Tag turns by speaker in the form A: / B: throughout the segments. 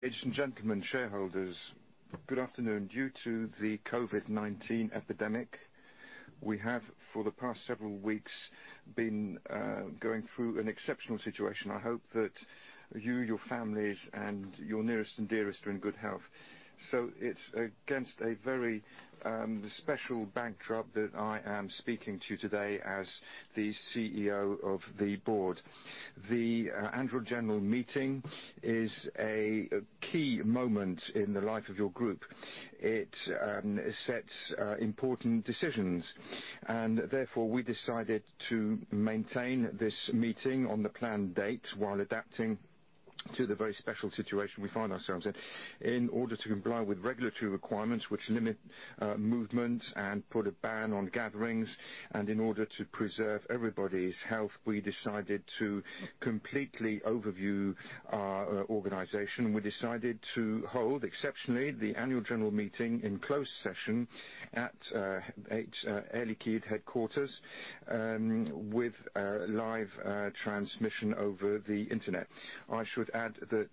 A: Ladies and gentlemen, shareholders, good afternoon. Due to the COVID-19 epidemic, we have, for the past several weeks, been going through an exceptional situation. I hope that you, your families, and your nearest and dearest are in good health. It's against a very special backdrop that I am speaking to you today as the CEO of the board. The annual general meeting is a key moment in the life of your group. It sets important decisions, and therefore, we decided to maintain this meeting on the planned date while adapting to the very special situation we find ourselves in. In order to comply with regulatory requirements which limit movement and put a ban on gatherings, and in order to preserve everybody's health, we decided to completely overview our organization. We decided to hold, exceptionally, the annual general meeting in closed session at Air Liquide headquarters with a live transmission over the internet. I should add that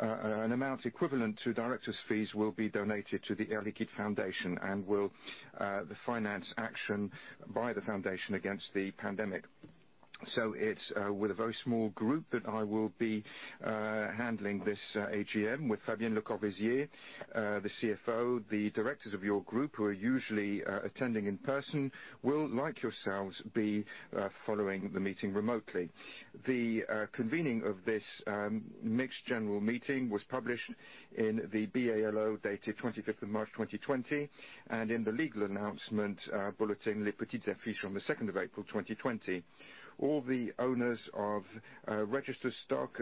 A: an amount equivalent to directors' fees will be donated to the Air Liquide Foundation and will finance action by the foundation against the pandemic. It's with a very small group that I will be handling this AGM with Fabienne Lecorvaisier, the CFO. The directors of your group who are usually attending in person will, like yourselves, be following the meeting remotely. The convening of this mixed general meeting was published in the BALO, dated 25th of March 2020, and in the legal announcement bulletin, "Les Petites Affiches," on the 2nd of April 2020. All the owners of registered stock,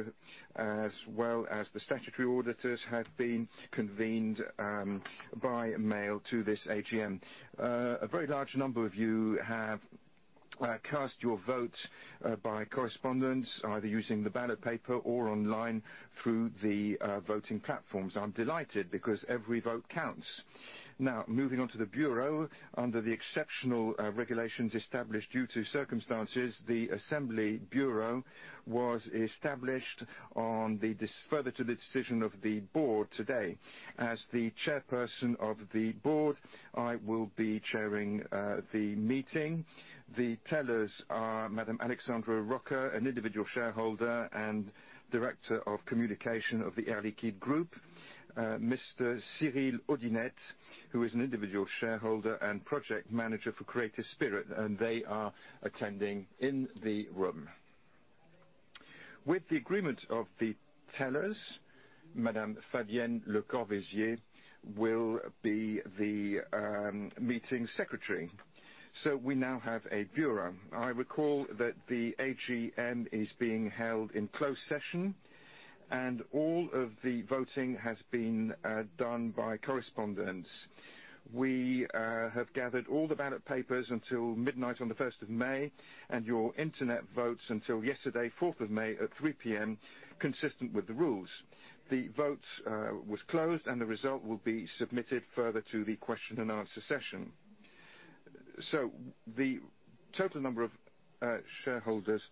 A: as well as the statutory auditors, have been convened by mail to this AGM. A very large number of you have cast your vote by correspondence, either using the ballot paper or online through the voting platforms. I'm delighted because every vote counts. Now, moving on to the bureau. Under the exceptional regulations established due to circumstances, the assembly bureau was established on further to the decision of the board today. As the chairperson of the board, I will be chairing the meeting. The tellers are Madam Alexandra Rocca, an individual shareholder and Director of Communication of the Air Liquide Group, Mr. Cyril Audinet, who is an individual shareholder and project manager for Creative Spirit, and they are attending in the room. With the agreement of the tellers, Madam Fabienne Lecorvaisier will be the meeting secretary. We now have a bureau. I recall that the AGM is being held in closed session, and all of the voting has been done by correspondence. We have gathered all the ballot papers until midnight on the 1st of May, and your internet votes until yesterday, 4th of May at 3:00 P.M., consistent with the rules. The vote was closed, and the result will be submitted further to the question and answer session. The total number of shareholders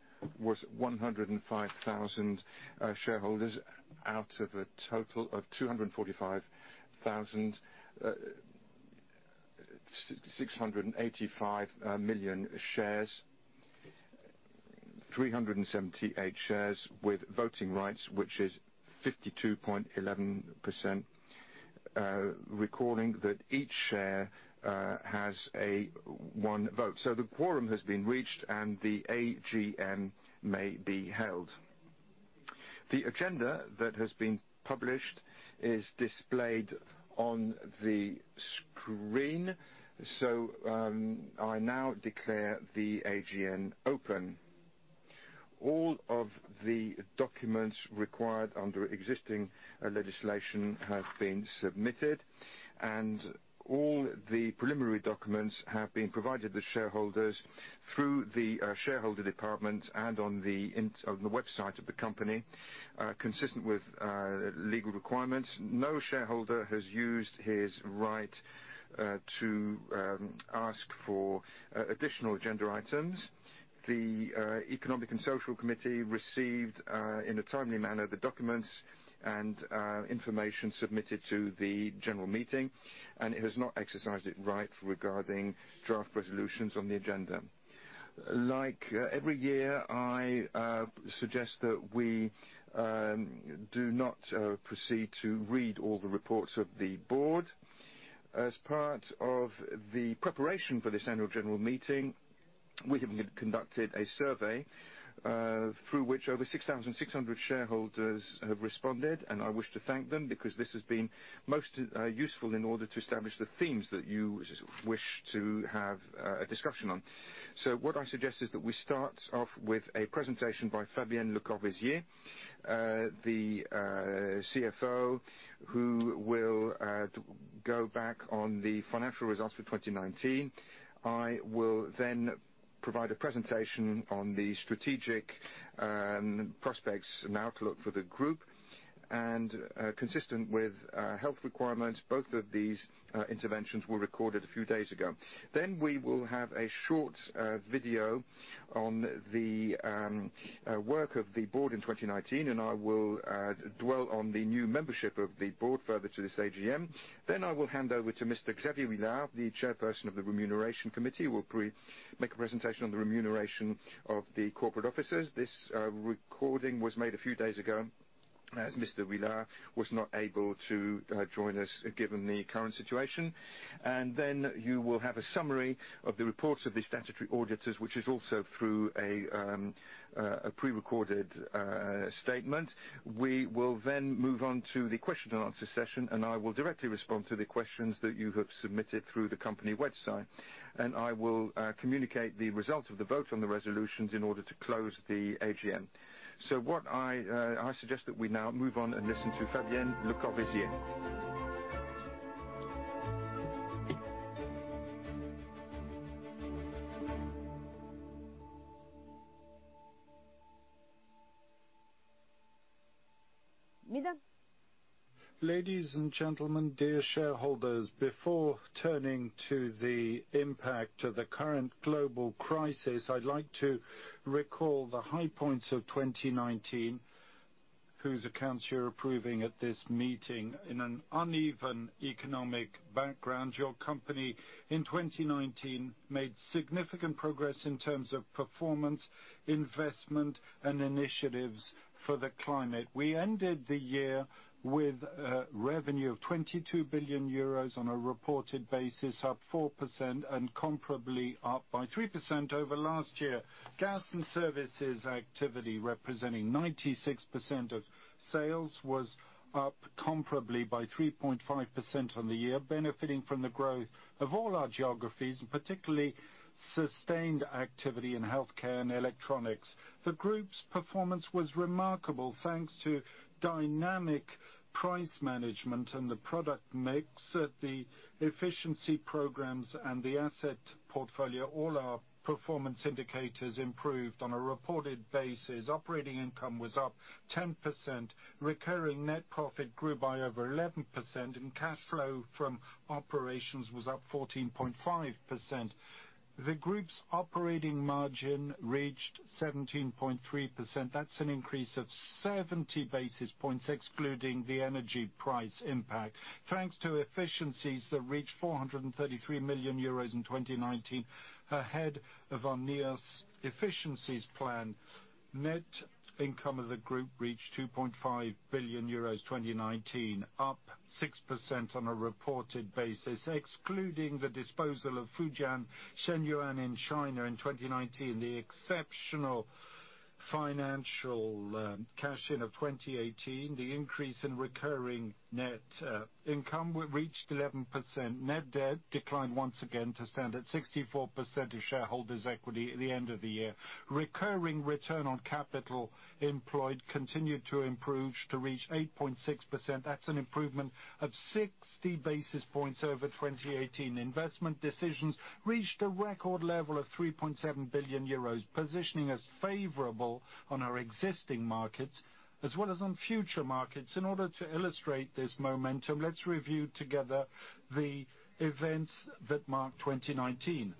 A: was 105,000 shareholders out of a total of 245,685 million shares, 378 shares with voting rights, which is 52.11%, recalling that each share has one vote. The quorum has been reached, and the AGM may be held. The agenda that has been published is displayed on the screen. I now declare the AGM open. All of the documents required under existing legislation have been submitted, and all the preliminary documents have been provided to shareholders through the shareholder department and on the website of the company, consistent with legal requirements. No shareholder has used his right to ask for additional agenda items. The Economic and Social Committee received, in a timely manner, the documents and information submitted to the general meeting, and it has not exercised its right regarding draft resolutions on the agenda. Like every year, I suggest that we do not proceed to read all the reports of the board. As part of the preparation for this annual general meeting, we have conducted a survey through which over 6,600 shareholders have responded, and I wish to thank them because this has been most useful in order to establish the themes that you wish to have a discussion on. What I suggest is that we start off with a presentation by Fabienne Lecorvaisier, the CFO, who will go back on the financial results for 2019. I will provide a presentation on the strategic prospects and outlook for the group. Consistent with health requirements, both of these interventions were recorded a few days ago. We will have a short video on the work of the board in 2019, and I will dwell on the new membership of the board further to this AGM. I will hand over to Mr. Xavier Huillard, the chairperson of the Remuneration Committee, will make a presentation on the remuneration of the corporate officers. This recording was made a few days ago. As Mr. Huillard was not able to join us given the current situation. Then you will have a summary of the reports of the statutory auditors, which is also through a pre-recorded statement. We will then move on to the question and answer session, and I will directly respond to the questions that you have submitted through the company website. I will communicate the results of the vote on the resolutions in order to close the AGM. I suggest that we now move on and listen to Fabienne Lecorvaisier.
B: Ladies and gentlemen, dear shareholders, before turning to the impact of the current global crisis, I would like to recall the high points of 2019, whose accounts you are approving at this meeting. In an uneven economic background, your company in 2019 made significant progress in terms of performance, investment, and initiatives for the climate. We ended the year with revenue of 22 billion euros on a reported basis, up 4% and comparably up by 3% over last year. Gas and services activity, representing 96% of sales, was up comparably by 3.5% on the year, benefiting from the growth of all our geographies, and particularly sustained activity in healthcare and electronics. The Group's performance was remarkable, thanks to dynamic price management and the product mix, the efficiency programs, and the asset portfolio. All our performance indicators improved on a reported basis. Operating income was up 10%, recurring net profit grew by over 11%, and cash flow from operations was up 14.5%. The group's operating margin reached 17.3%. That's an increase of 70 basis points, excluding the energy price impact. Thanks to efficiencies that reached 433 million euros in 2019, ahead of our NEOS efficiencies plan. Net income of the group reached 2.5 billion euros 2019, up 6% on a reported basis. Excluding the disposal of Fujian Shenyuan in China in 2019, the exceptional financial cash-in of 2018, the increase in recurring net income reached 11%. Net debt declined once again to stand at 64% of shareholders' equity at the end of the year. Recurring return on capital employed continued to improve to reach 8.6%. That's an improvement of 60 basis points over 2018. Investment decisions reached a record level of 3.7 billion euros, positioning us favorably on our existing markets as well as on future markets. In order to illustrate this momentum, let's review together the events that marked 2019.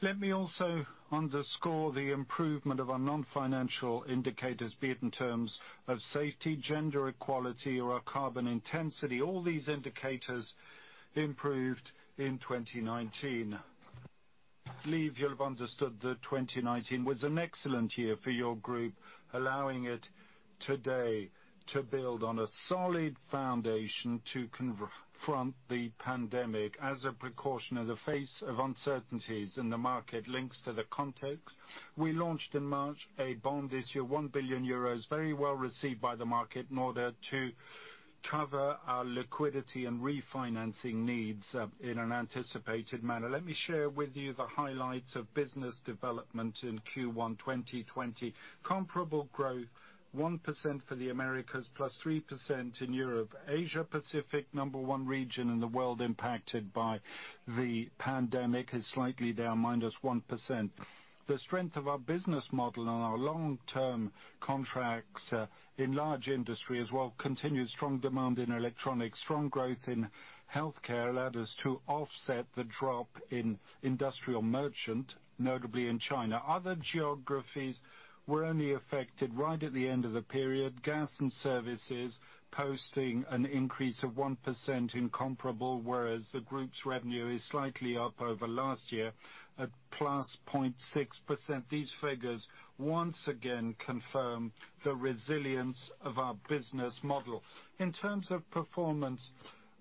B: Let me also underscore the improvement of our non-financial indicators, be it in terms of safety, gender equality, or our carbon intensity. All these indicators improved in 2019. I believe you'll have understood that 2019 was an excellent year for your Group, allowing it today to build on a solid foundation to confront the pandemic. As a precaution in the face of uncertainties in the market links to the context, we launched in March a bond issue, 1 billion euros, very well received by the market in order to cover our liquidity and refinancing needs in an anticipated manner. Let me share with you the highlights of business development in Q1 2020. Comparable growth 1% for the Americas, plus 3% in Europe. Asia-Pacific, number one region in the world impacted by the pandemic, is slightly down minus 1%. The strength of our business model and our long-term contracts in large industry as well, continued strong demand in electronics, strong growth in healthcare allowed us to offset the drop in industrial merchant, notably in China. Other geographies were only affected right at the end of the period. Gas and services posting an increase of 1% in comparable, whereas the group's revenue is slightly up over last year at plus 0.6%. These figures once again confirm the resilience of our business model. In terms of performance,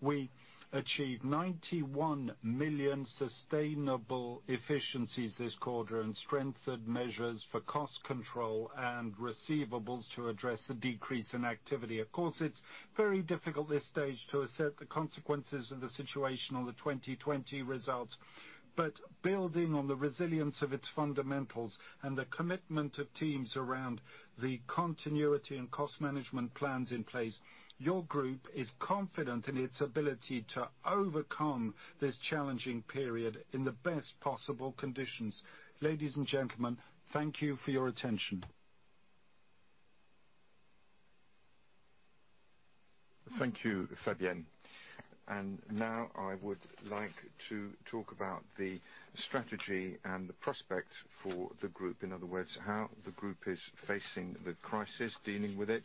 B: we achieved 91 million sustainable efficiencies this quarter and strengthened measures for cost control and receivables to address the decrease in activity. Of course, it's very difficult this stage to assert the consequences of the situation on the 2020 results. Building on the resilience of its fundamentals and the commitment of teams around the continuity and cost management plans in place, your group is confident in its ability to overcome this challenging period in the best possible conditions. Ladies and gentlemen, thank you for your attention.
A: Thank you, Fabienne. Now I would like to talk about the strategy and the prospect for the group. In other words, how the group is facing the crisis, dealing with it,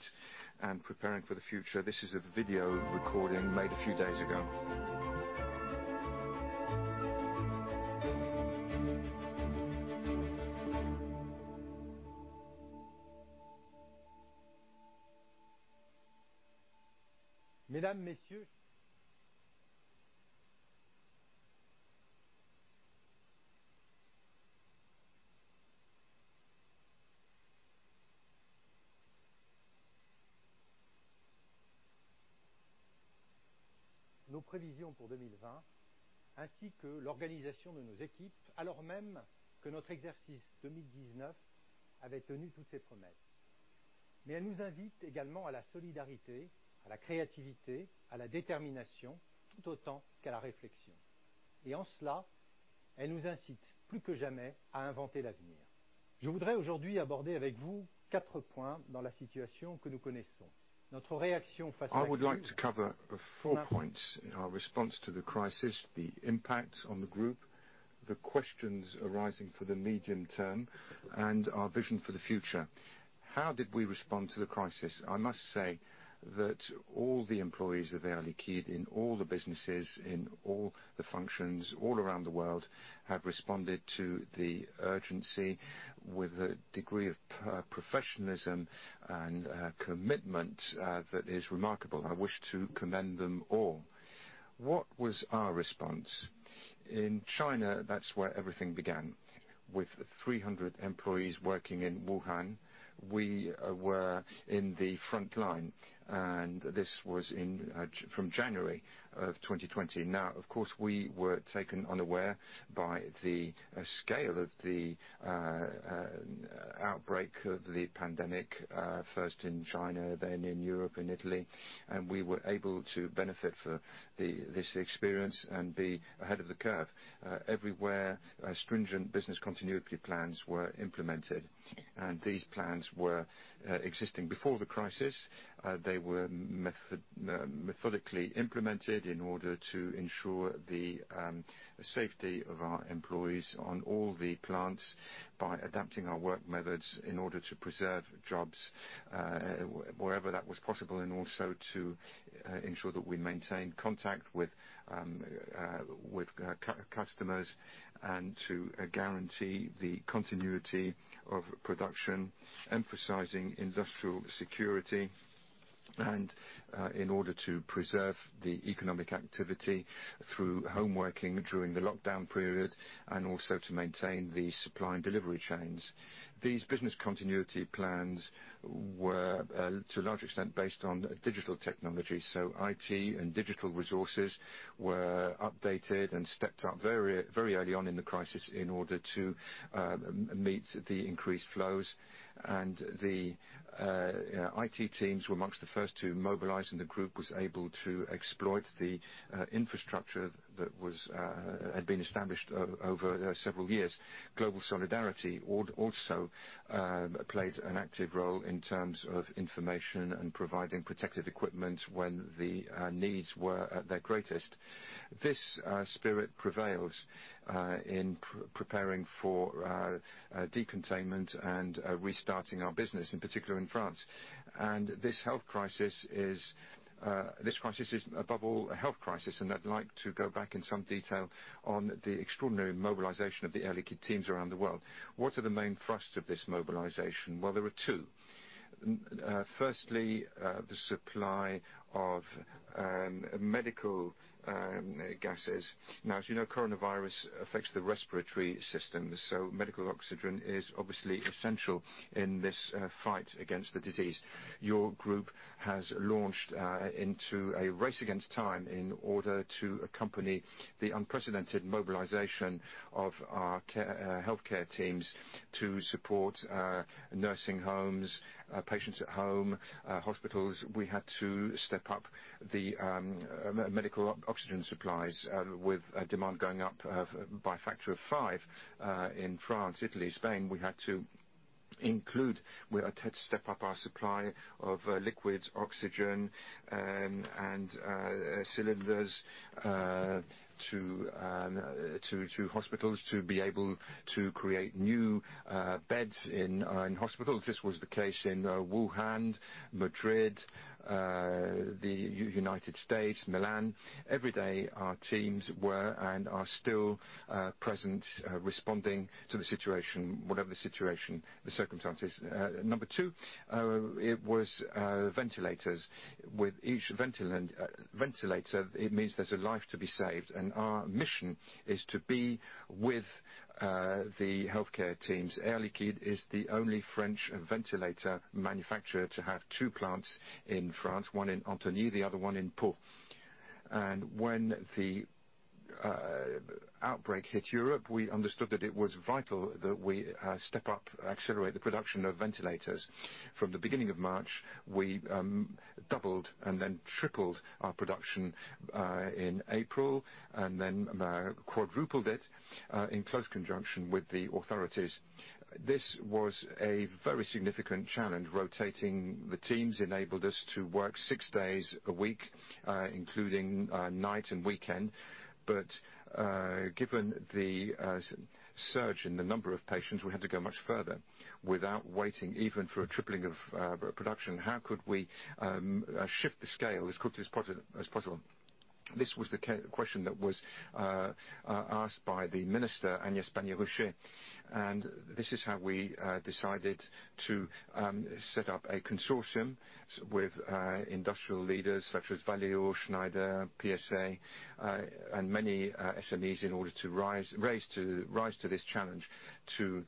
A: and preparing for the future. This is a video recording made a few days ago. I would like to cover four points in our response to the crisis, the impact on the group, the questions arising for the medium term, and our vision for the future. How did we respond to the crisis? I must say that all the employees of Air Liquide in all the businesses, in all the functions, all around the world, have responded to the urgency with a degree of professionalism and commitment that is remarkable. I wish to commend them all. What was our response? In China, that's where everything began. With 300 employees working in Wuhan, we were in the front line, and this was from January of 2020. Now, of course, we were taken unaware by the scale of the outbreak of the pandemic, first in China, then in Europe and Italy, and we were able to benefit for this experience and be ahead of the curve. Everywhere, stringent business continuity plans were implemented, and these plans were existing before the crisis. They were methodically implemented in order to ensure the safety of our employees on all the plants by adapting our work methods in order to preserve jobs wherever that was possible, and also to ensure that we maintain contact with customers and to guarantee the continuity of production, emphasizing industrial security, and in order to preserve the economic activity through home working during the lockdown period, and also to maintain the supply and delivery chains. These business continuity plans were to a large extent based on digital technology. IT and digital resources were updated and stepped up very early on in the crisis in order to meet the increased flows. The IT teams were amongst the first to mobilize, and the group was able to exploit the infrastructure that had been established over several years. Global solidarity also played an active role in terms of information and providing protective equipment when the needs were at their greatest. This spirit prevails in preparing for deconfinement and restarting our business, in particular in France. This crisis is above all a health crisis, and I'd like to go back in some detail on the extraordinary mobilization of the Air Liquide teams around the world. What are the main thrusts of this mobilization? There are two. Firstly, the supply of medical gases. Now, as you know, coronavirus affects the respiratory system, so medical oxygen is obviously essential in this fight against the disease. Your group has launched into a race against time in order to accompany the unprecedented mobilization of our healthcare teams to support nursing homes, patients at home, hospitals. We had to step up the medical oxygen supplies, with demand going up by a factor of five in France, Italy, Spain. We had to step up our supply of liquid oxygen and cylinders to hospitals to be able to create new beds in hospitals. This was the case in Wuhan, Madrid, the United States, Milan. Every day our teams were and are still present, responding to the situation, whatever the situation, the circumstances. Number two, it was ventilators. With each ventilator, it means there's a life to be saved, and our mission is to be with the healthcare teams. Air Liquide is the only French ventilator manufacturer to have two plants in France, one in Antony, the other one in Pau. When the outbreak hit Europe, we understood that it was vital that we step up, accelerate the production of ventilators. From the beginning of March, we doubled and then tripled our production in April, and then quadrupled it in close conjunction with the authorities. This was a very significant challenge. Rotating the teams enabled us to work six days a week, including night and weekend. Given the surge in the number of patients, we had to go much further. Without waiting even for a tripling of production, how could we shift the scale as quickly as possible? This was the question that was asked by the minister, Agnès Pannier-Runacher, and this is how we decided to set up a consortium with industrial leaders such as Valeo, Schneider, PSA, and many SMEs in order to rise to this challenge to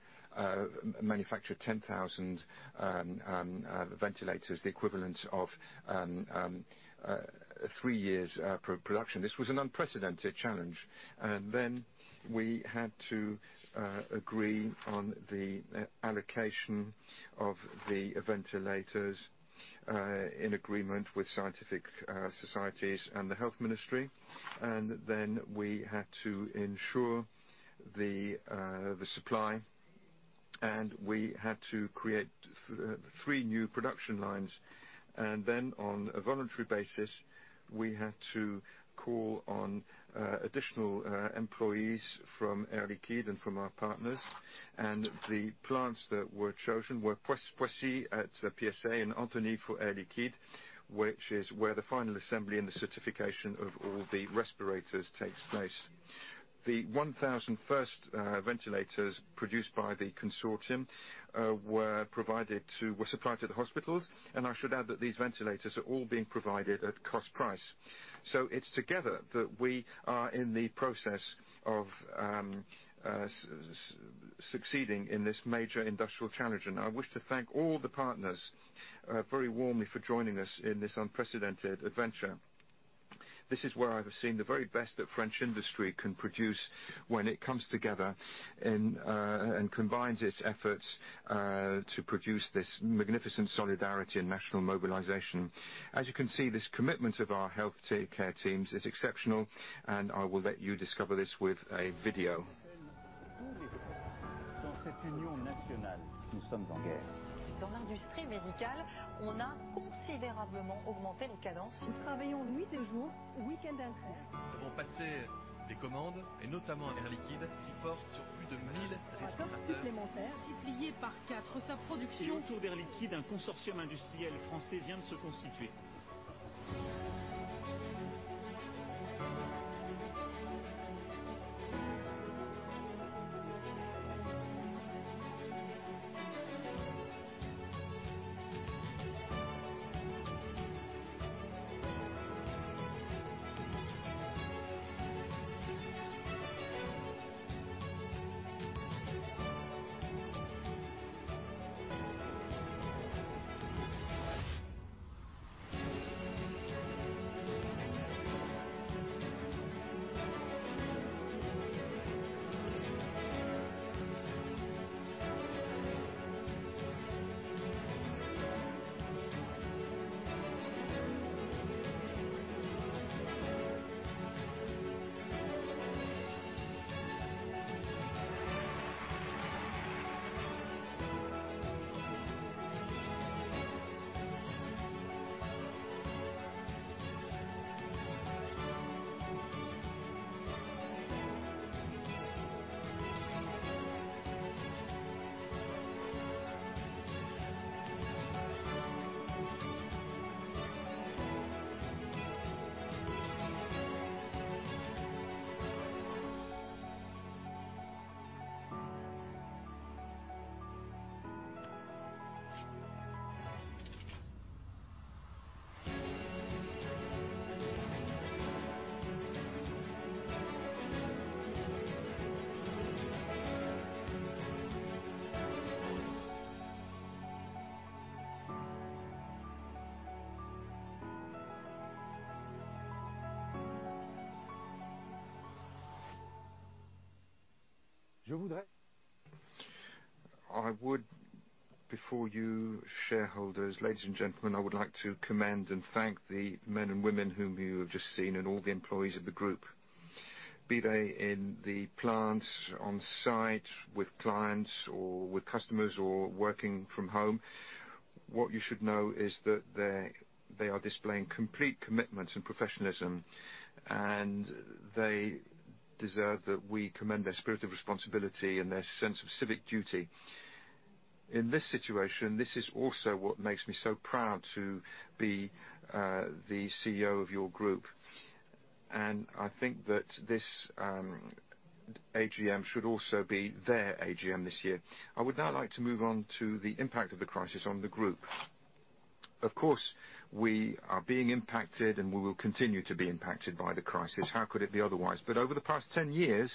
A: manufacture 10,000 ventilators, the equivalent of three years of production. This was an unprecedented challenge. We had to agree on the allocation of the ventilators in agreement with scientific societies and the health ministry. We had to ensure the supply, and we had to create three new production lines. On a voluntary basis, we had to call on additional employees from Air Liquide and from our partners. The plants that were chosen were Poissy at PSA and Antony for Air Liquide, which is where the final assembly and the certification of all the respirators takes place. The 1,000 1st ventilators produced by the consortium were supplied to the hospitals. I should add that these ventilators are all being provided at cost price. It's together that we are in the process of succeeding in this major industrial challenge. I wish to thank all the partners very warmly for joining us in this unprecedented adventure. This is where I've seen the very best that French industry can produce when it comes together and combines its efforts to produce this magnificent solidarity and national mobilization. As you can see, this commitment of our healthcare teams is exceptional, and I will let you discover this with a video. I would, before you shareholders, ladies and gentlemen, I would like to commend and thank the men and women whom you have just seen and all the employees of the group, be they in the plants, on site, with clients, or with customers, or working from home. What you should know is that they are displaying complete commitment and professionalism, and they deserve that we commend their spirit of responsibility and their sense of civic duty. In this situation, this is also what makes me so proud to be the CEO of your group, and I think that this AGM should also be their AGM this year. I would now like to move on to the impact of the crisis on the group. Of course, we are being impacted, and we will continue to be impacted by the crisis. How could it be otherwise? Over the past 10 years,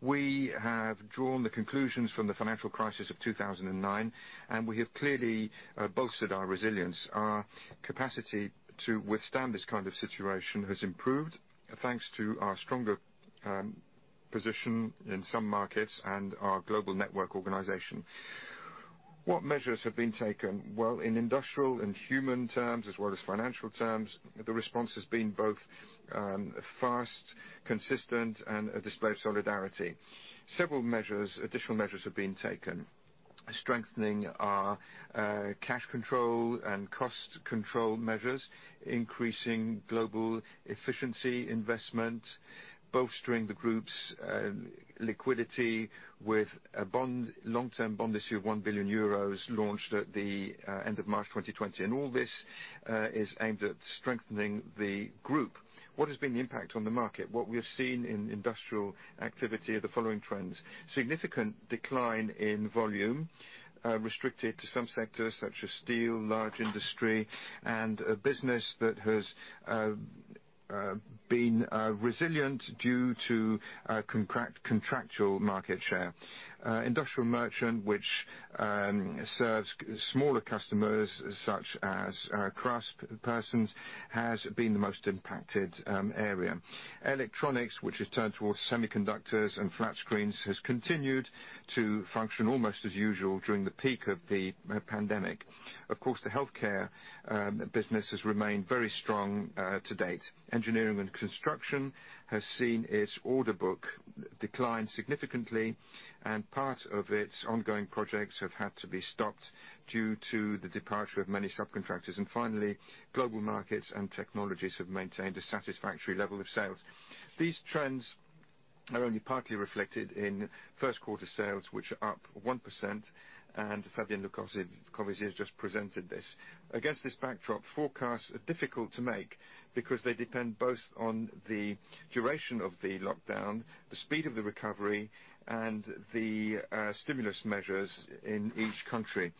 A: we have drawn the conclusions from the financial crisis of 2009, and we have clearly bolstered our resilience. Our capacity to withstand this kind of situation has improved, thanks to our stronger position in some markets and our global network organization. What measures have been taken? Well, in industrial and human terms, as well as financial terms, the response has been both fast, consistent, and a display of solidarity. Several additional measures have been taken, strengthening our cash control and cost control measures, increasing global efficiency investment, bolstering the group's liquidity with a long-term bond issue of 1 billion euros launched at the end of March 2020. All this is aimed at strengthening the group. What has been the impact on the market? What we have seen in industrial activity are the following trends. Significant decline in volume, restricted to some sectors such as steel, large industry, and a business that has been resilient due to contractual market share. Industrial merchant, which serves smaller customers such as craftspersons, has been the most impacted area. Electronics, which is turned towards semiconductors and flat screens, has continued to function almost as usual during the peak of the pandemic. Of course, the healthcare business has remained very strong to date. Engineering and construction has seen its order book decline significantly, and part of its ongoing projects have had to be stopped due to the departure of many subcontractors. Finally, global markets and technologies have maintained a satisfactory level of sales. These trends are only partly reflected in first quarter sales, which are up 1%, and Fabienne Lecorvaisier has just presented this. Against this backdrop, forecasts are difficult to make, because they depend both on the duration of the lockdown, the speed of the recovery, and the stimulus measures in each country.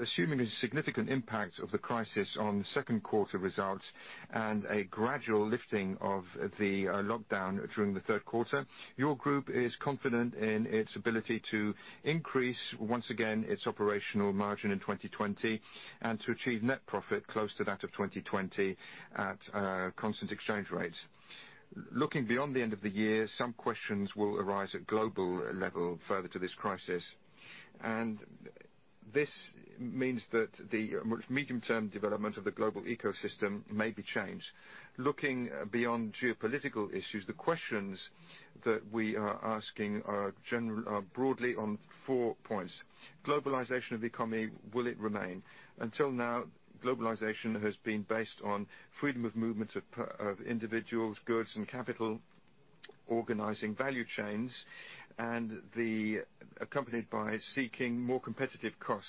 A: Assuming a significant impact of the crisis on second quarter results and a gradual lifting of the lockdown during the third quarter, your group is confident in its ability to increase, once again, its operational margin in 2020 and to achieve net profit close to that of 2020 at constant exchange rates. Looking beyond the end of the year, some questions will arise at global level further to this crisis. This means that the medium-term development of the global ecosystem may be changed. Looking beyond geopolitical issues, the questions that we are asking are broadly on four points. Globalization of the economy, will it remain? Until now, globalization has been based on freedom of movement of individuals, goods, and capital, organizing value chains, and accompanied by seeking more competitive cost.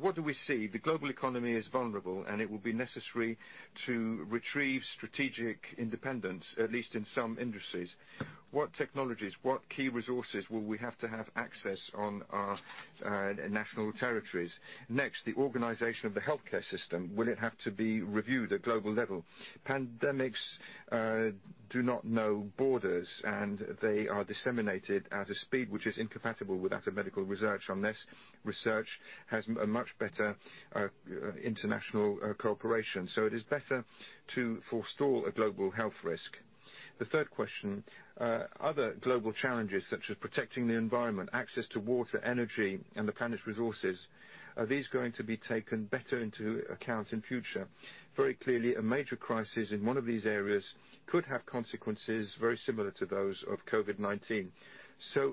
A: What do we see? The global economy is vulnerable, and it will be necessary to retrieve strategic independence, at least in some industries. What technologies, what key resources will we have to have access on our national territories? Next, the organization of the healthcare system. Will it have to be reviewed at global level? Pandemics do not know borders, and they are disseminated at a speed which is incompatible with that of medical research, unless research has a much better international cooperation. It is better to forestall a global health risk. The third question, other global challenges, such as protecting the environment, access to water, energy, and the planet's resources, are these going to be taken better into account in future? Very clearly, a major crisis in one of these areas could have consequences very similar to those of COVID-19.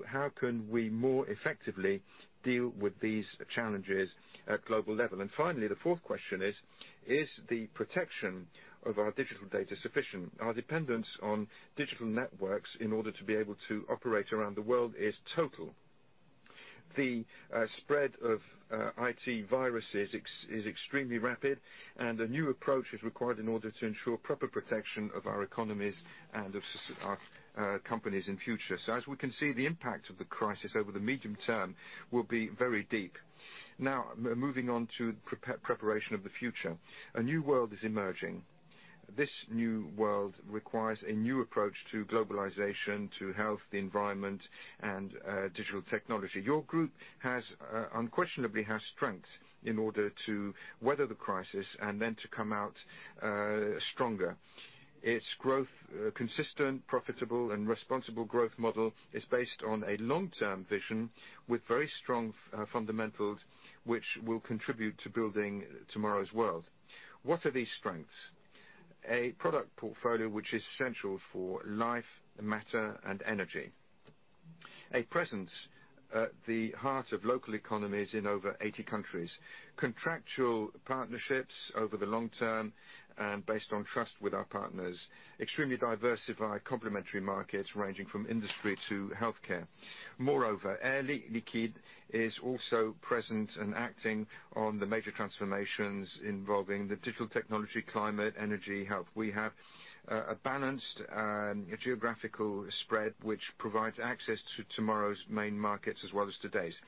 A: How can we more effectively deal with these challenges at global level? Finally, the fourth question is the protection of our digital data sufficient? Our dependence on digital networks in order to be able to operate around the world is total. The spread of IT viruses is extremely rapid and a new approach is required in order to ensure proper protection of our economies and of our companies in future. As we can see, the impact of the crisis over the medium term will be very deep. Now, moving on to preparation of the future. A new world is emerging. This new world requires a new approach to globalization, to health, the environment, and digital technology. Your group unquestionably has strengths in order to weather the crisis and then to come out stronger. Its consistent, profitable, and responsible growth model is based on a long-term vision with very strong fundamentals, which will contribute to building tomorrow's world. What are these strengths? A product portfolio which is central for life, matter, and energy. A presence at the heart of local economies in over 80 countries. Contractual partnerships over the long term and based on trust with our partners. Extremely diversified complementary markets ranging from industry to healthcare. Moreover, Air Liquide is also present and acting on the major transformations involving the digital technology, climate, energy, health. We have a balanced geographical spread, which provides access to tomorrow's main markets as well as today's.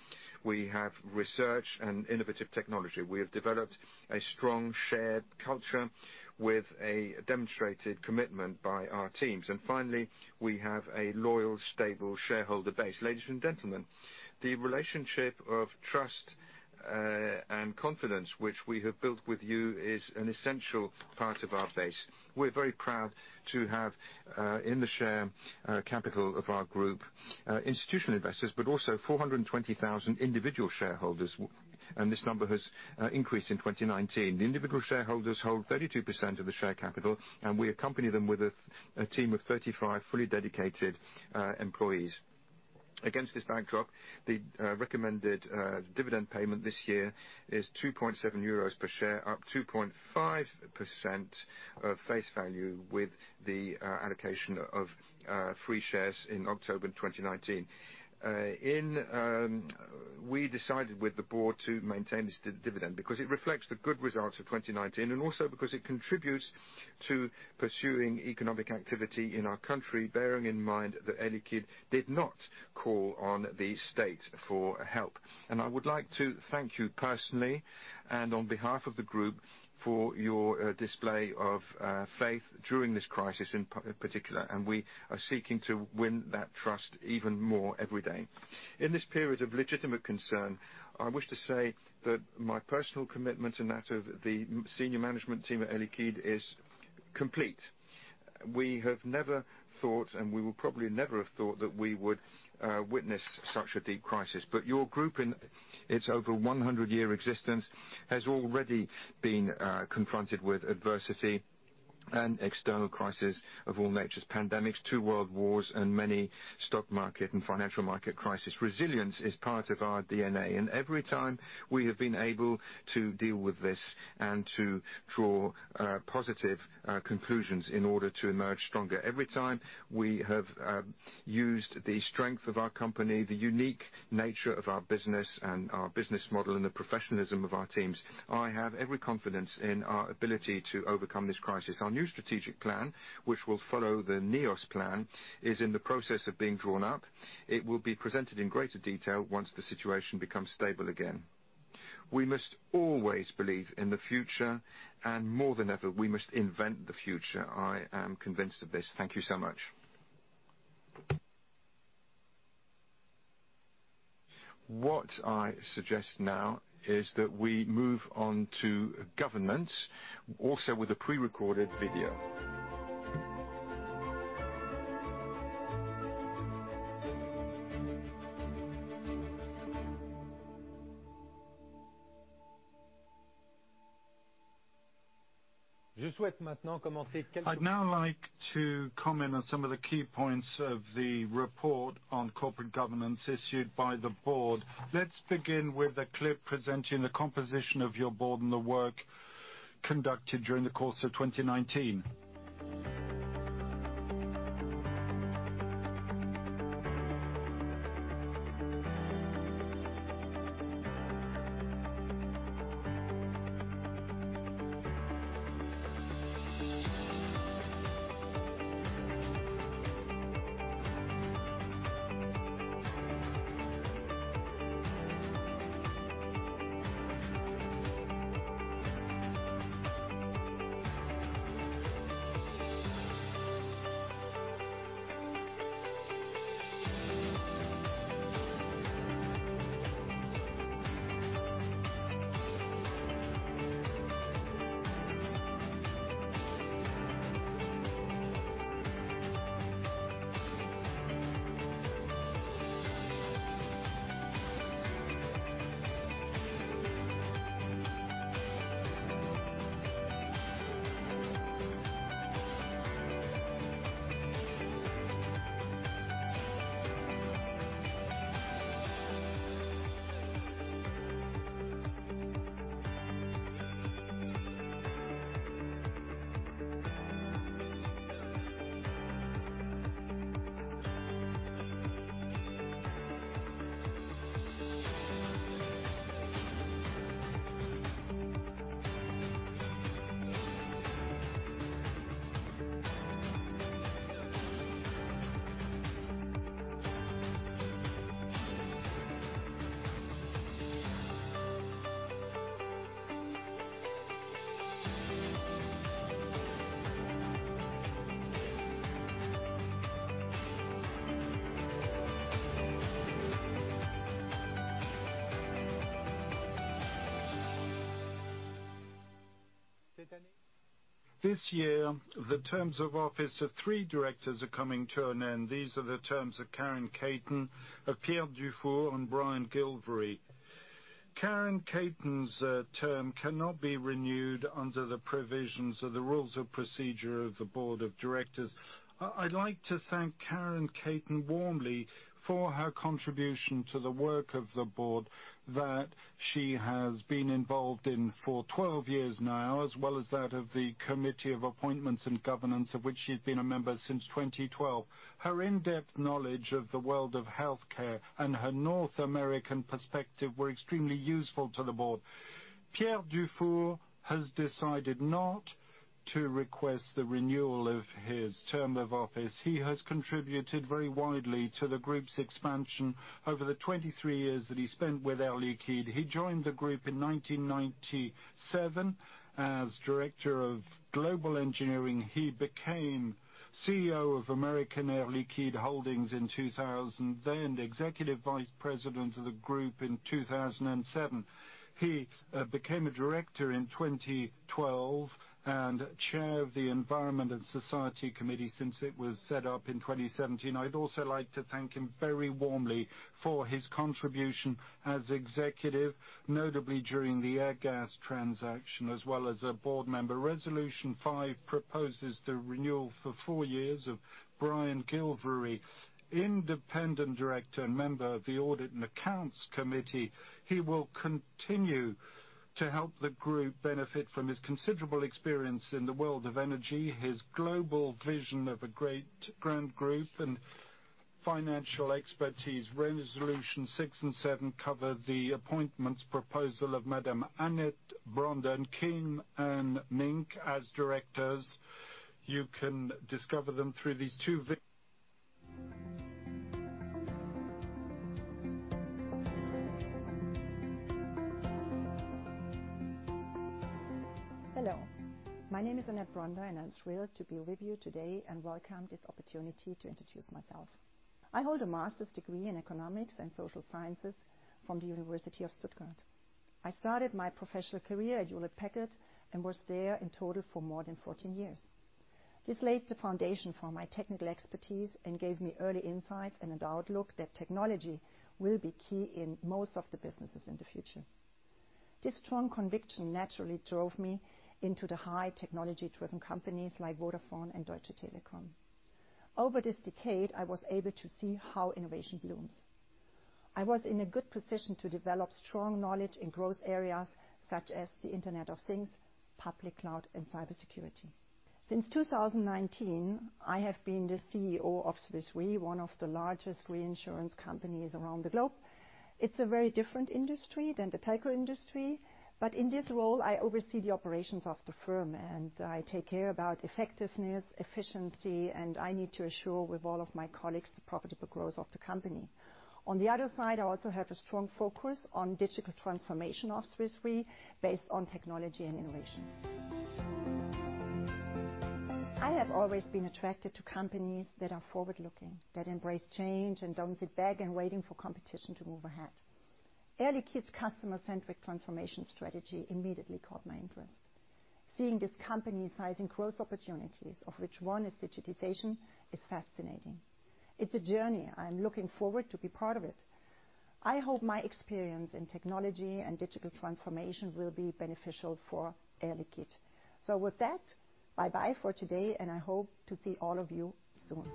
A: We have research and innovative technology. We have developed a strong shared culture with a demonstrated commitment by our teams. finally, we have a loyal, stable shareholder base. Ladies and gentlemen, the relationship of trust and confidence which we have built with you is an essential part of our base. We are very proud to have in the share capital of our group institutional investors, but also 420,000 individual shareholders, and this number has increased in 2019. The individual shareholders hold 32% of the share capital, and we accompany them with a team of 35 fully dedicated employees. Against this backdrop, the recommended dividend payment this year is 2.7 euros per share, up 2.5% of face value with the allocation of free shares in October 2019. We decided with the board to maintain this dividend because it reflects the good results of 2019, and also because it contributes to pursuing economic activity in our country, bearing in mind that Air Liquide did not call on the state for help. I would like to thank you personally, and on behalf of the group, for your display of faith during this crisis in particular, and we are seeking to win that trust even more every day. In this period of legitimate concern, I wish to say that my personal commitment and that of the senior management team at Air Liquide is complete. We have never thought, and we will probably never have thought that we would witness such a deep crisis. Your group in its over 100-year existence has already been confronted with adversity and external crisis of all natures, pandemics, two world wars, and many stock market and financial market crisis. Resilience is part of our DNA, and every time we have been able to deal with this and to draw positive conclusions in order to emerge stronger. Every time we have used the strength of our company, the unique nature of our business and our business model, and the professionalism of our teams. I have every confidence in our ability to overcome this crisis. Our new strategic plan, which will follow the NEOS plan, is in the process of being drawn up. It will be presented in greater detail once the situation becomes stable again. We must always believe in the future, and more than ever, we must invent the future. I am convinced of this. Thank you so much. What I suggest now is that we move on to governance, also with a pre-recorded video. I'd now like to comment on some of the key points of the report on corporate governance issued by the board. Let's begin with a clip presenting the composition of your board and the work conducted during the course of 2019. This year, the terms of office of three directors are coming to an end. These are the terms of Karen Katen, of Pierre Dufour, and Brian Gilvary. Karen Katen term cannot be renewed under the provisions of the rules of procedure of the board of directors. I'd like to thank Karen Katen warmly for her contribution to the work of the board that she has been involved in for 12 years now, as well as that of the Committee of Appointments and Governance, of which she's been a member since 2012. Her in-depth knowledge of the world of healthcare and her North American perspective were extremely useful to the board. Pierre Dufour has decided not to request the renewal of his term of office. He has contributed very widely to the group's expansion over the 23 years that he spent with Air Liquide. He joined the group in 1997 as Director of Global Engineering. He became CEO of American Air Liquide Holdings in 2000, then Executive Vice President of the group in 2007. He became a director in 2012 and Chair of the Environment and Society Committee since it was set up in 2017. I'd also like to thank him very warmly for his contribution as executive, notably during the Airgas transaction, as well as a board member. Resolution five proposes the renewal for four years of Brian Gilvary, Independent Director and member of the Audit and Accounts Committee. He will continue to help the group benefit from his considerable experience in the world of energy, his global vision of a grand group, and financial expertise. Resolution six and seven cover the appointments proposal of Madame Annette Bronder and Kim Ann Mink .You can discover them through these two vi-
C: Hello, my name is Annette Bronder, and I'm thrilled to be with you today and welcome this opportunity to introduce myself. I hold a master's degree in economics and social sciences from the University of Stuttgart. I started my professional career at Hewlett-Packard and was there in total for more than 14 years. This laid the foundation for my technical expertise and gave me early insights and an outlook that technology will be key in most of the businesses in the future. This strong conviction naturally drove me into the high technology-driven companies like Vodafone and Deutsche Telekom. Over this decade, I was able to see how innovation blooms. I was in a good position to develop strong knowledge in growth areas such as the Internet of Things, public cloud, and cybersecurity. Since 2019, I have been the CEO of Swiss Re, one of the largest reinsurance companies around the globe. It's a very different industry than the telco industry. In this role, I oversee the operations of the firm, and I take care about effectiveness, efficiency, and I need to ensure with all of my colleagues the profitable growth of the company. On the other side, I also have a strong focus on digital transformation of Swiss Re based on technology and innovation. I have always been attracted to companies that are forward-looking, that embrace change and don't sit back and waiting for competition to move ahead. Air Liquide's customer-centric transformation strategy immediately caught my interest. Seeing this company sizing growth opportunities, of which one is digitization, is fascinating. It's a journey. I'm looking forward to be part of it. I hope my experience in technology and digital transformation will be beneficial for Air Liquide. with that, bye-bye for today, and I hope to see all of you soon.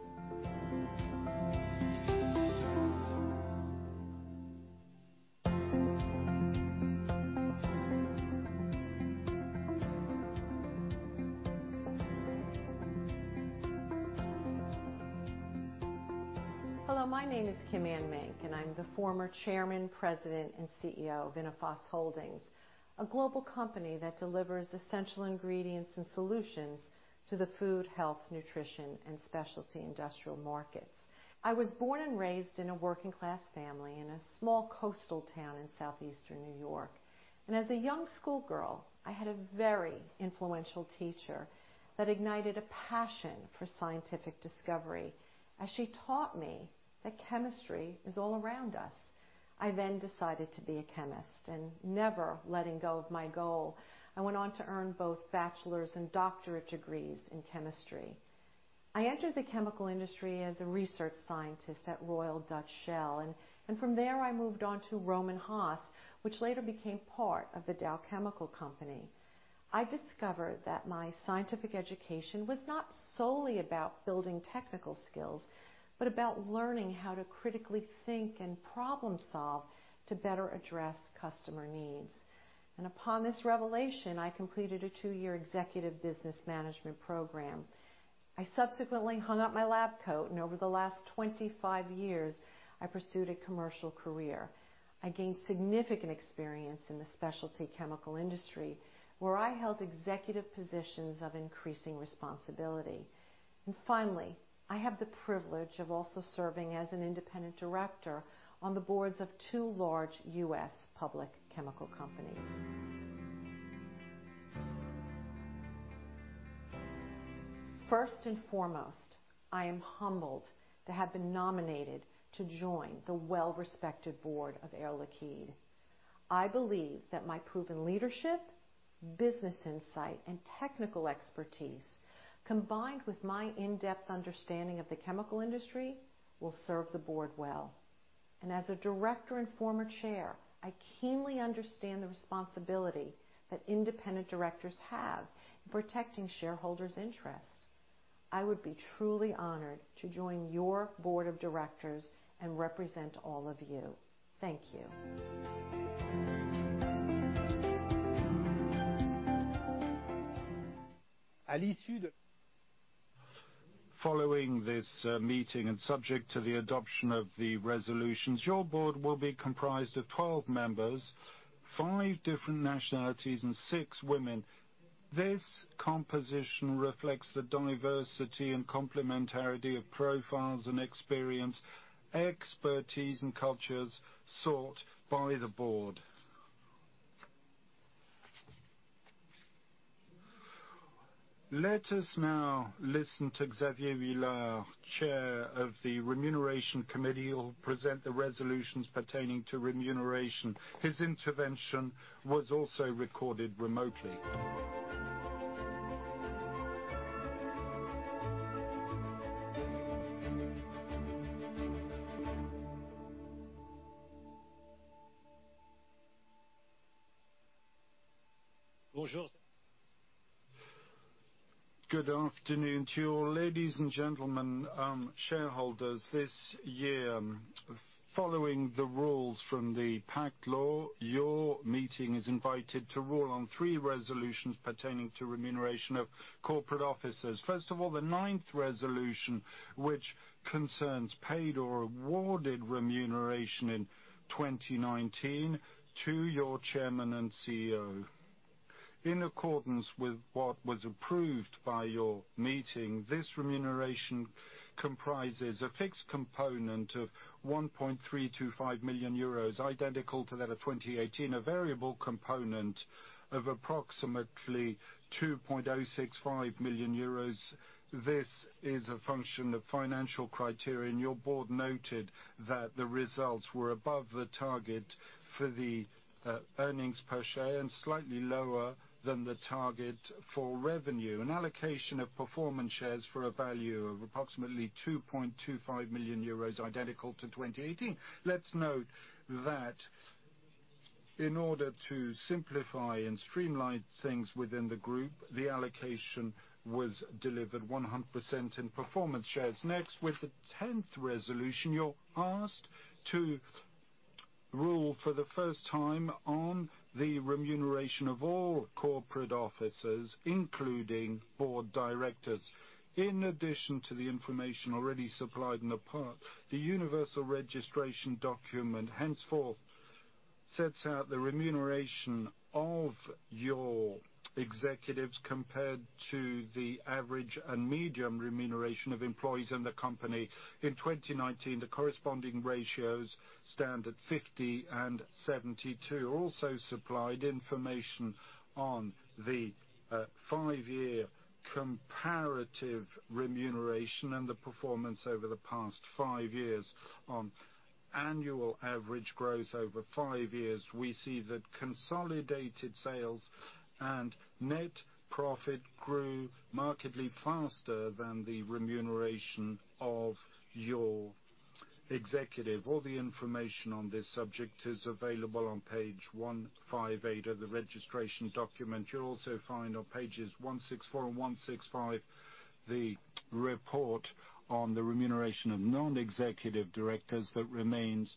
D: Hello, my name is Kim Ann Mink, and I'm the former chairman, president, and CEO of Innophos Holdings, a global company that delivers essential ingredients and solutions to the food, health, nutrition, and specialty industrial markets. I was born and raised in a working-class family in a small coastal town in southeastern New York. As a young schoolgirl, I had a very influential teacher that ignited a passion for scientific discovery as she taught me that chemistry is all around us. I then decided to be a chemist and never letting go of my goal. I went on to earn both bachelor's and doctorate degrees in chemistry. I entered the chemical industry as a research scientist at Royal Dutch Shell, and from there, I moved on to Rohm and Haas, which later became part of the Dow Chemical Company. I discovered that my scientific education was not solely about building technical skills, but about learning how to critically think and problem solve to better address customer needs. Upon this revelation, I completed a two-year executive business management program. I subsequently hung up my lab coat, and over the last 25 years, I pursued a commercial career. I gained significant experience in the specialty chemical industry, where I held executive positions of increasing responsibility. Finally, I have the privilege of also serving as an independent director on the boards of two large U.S. public chemical companies. First and foremost, I am humbled to have been nominated to join the well-respected board of Air Liquide. I believe that my proven leadership, business insight, and technical expertise, combined with my in-depth understanding of the chemical industry, will serve the board well. As a director and former chair, I keenly understand the responsibility that independent directors have in protecting shareholders' interests. I would be truly honored to join your board of directors and represent all of you. Thank you.
A: Following this meeting and subject to the adoption of the resolutions, your board will be comprised of 12 members, five different nationalities, and six women. This composition reflects the diversity and complementarity of profiles and experience, expertise, and cultures sought by the board. Let us now listen to Xavier Huillard, Chair of the Remuneration Committee. He will present the resolutions pertaining to remuneration. His intervention was also recorded remotely. Good afternoon to you all, ladies and gentlemen, shareholders. This year, following the rules from the PACTE Law, your meeting is invited to rule on three resolutions pertaining to remuneration of corporate officers. First of all, the ninth resolution, which concerns paid or awarded remuneration in 2019 to your Chairman and CEO. In accordance with what was approved by your meeting, this remuneration comprises a fixed component of 1.325 million euros, identical to that of 2018.
E: A variable component of approximately 2.065 million euros. This is a function of financial criteria, and your board noted that the results were above the target for the earnings per share and slightly lower than the target for revenue. An allocation of performance shares for a value of approximately 2.25 million euros, identical to 2018. Let's note that in order to simplify and streamline things within the group, the allocation was delivered 100% in performance shares. Next, with the 10th resolution, you're asked to rule for the first time on the remuneration of all corporate officers, including board directors. In addition to the information already supplied in the universal registration document, henceforth sets out the remuneration of your executives compared to the average and medium remuneration of employees in the company. In 2019, the corresponding ratios stand at 50 and 72. Also supplied information on the five-year comparative remuneration and the performance over the past five years. On annual average growth over five years, we see that consolidated sales and net profit grew markedly faster than the remuneration of your executive. All the information on this subject is available on page 158 of the registration document. You'll also find on pages 164 and 165 the report on the remuneration of non-executive directors that remains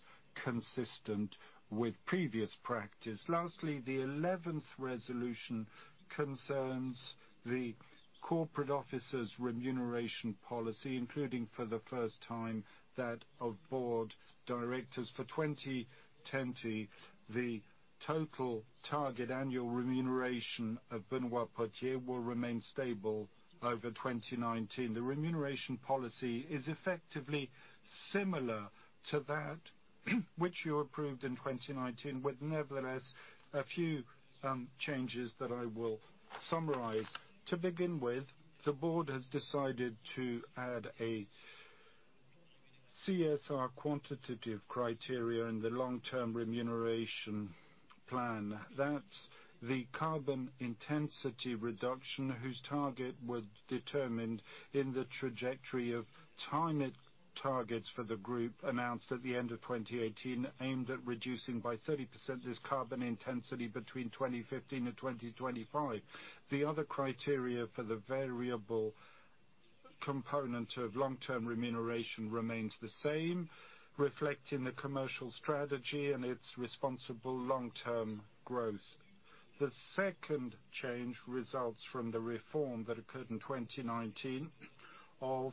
E: consistent with previous practice. Lastly, the 11th resolution concerns the corporate officers' remuneration policy, including for the first time that of board directors. For 2020, the total target annual remuneration of Benoît Potier will remain stable over 2019. The remuneration policy is effectively similar to that which you approved in 2019, with nevertheless a few changes that I will summarize. To begin with, the board has decided to add a CSR quantitative criteria in the long-term remuneration plan. That's the carbon intensity reduction whose target was determined in the trajectory of targets for the group announced at the end of 2018, aimed at reducing by 30% this carbon intensity between 2015 and 2025. The other criteria for the variable component of long-term remuneration remains the same, reflecting the commercial strategy and its responsible long-term growth. The second change results from the reform that occurred in 2019 of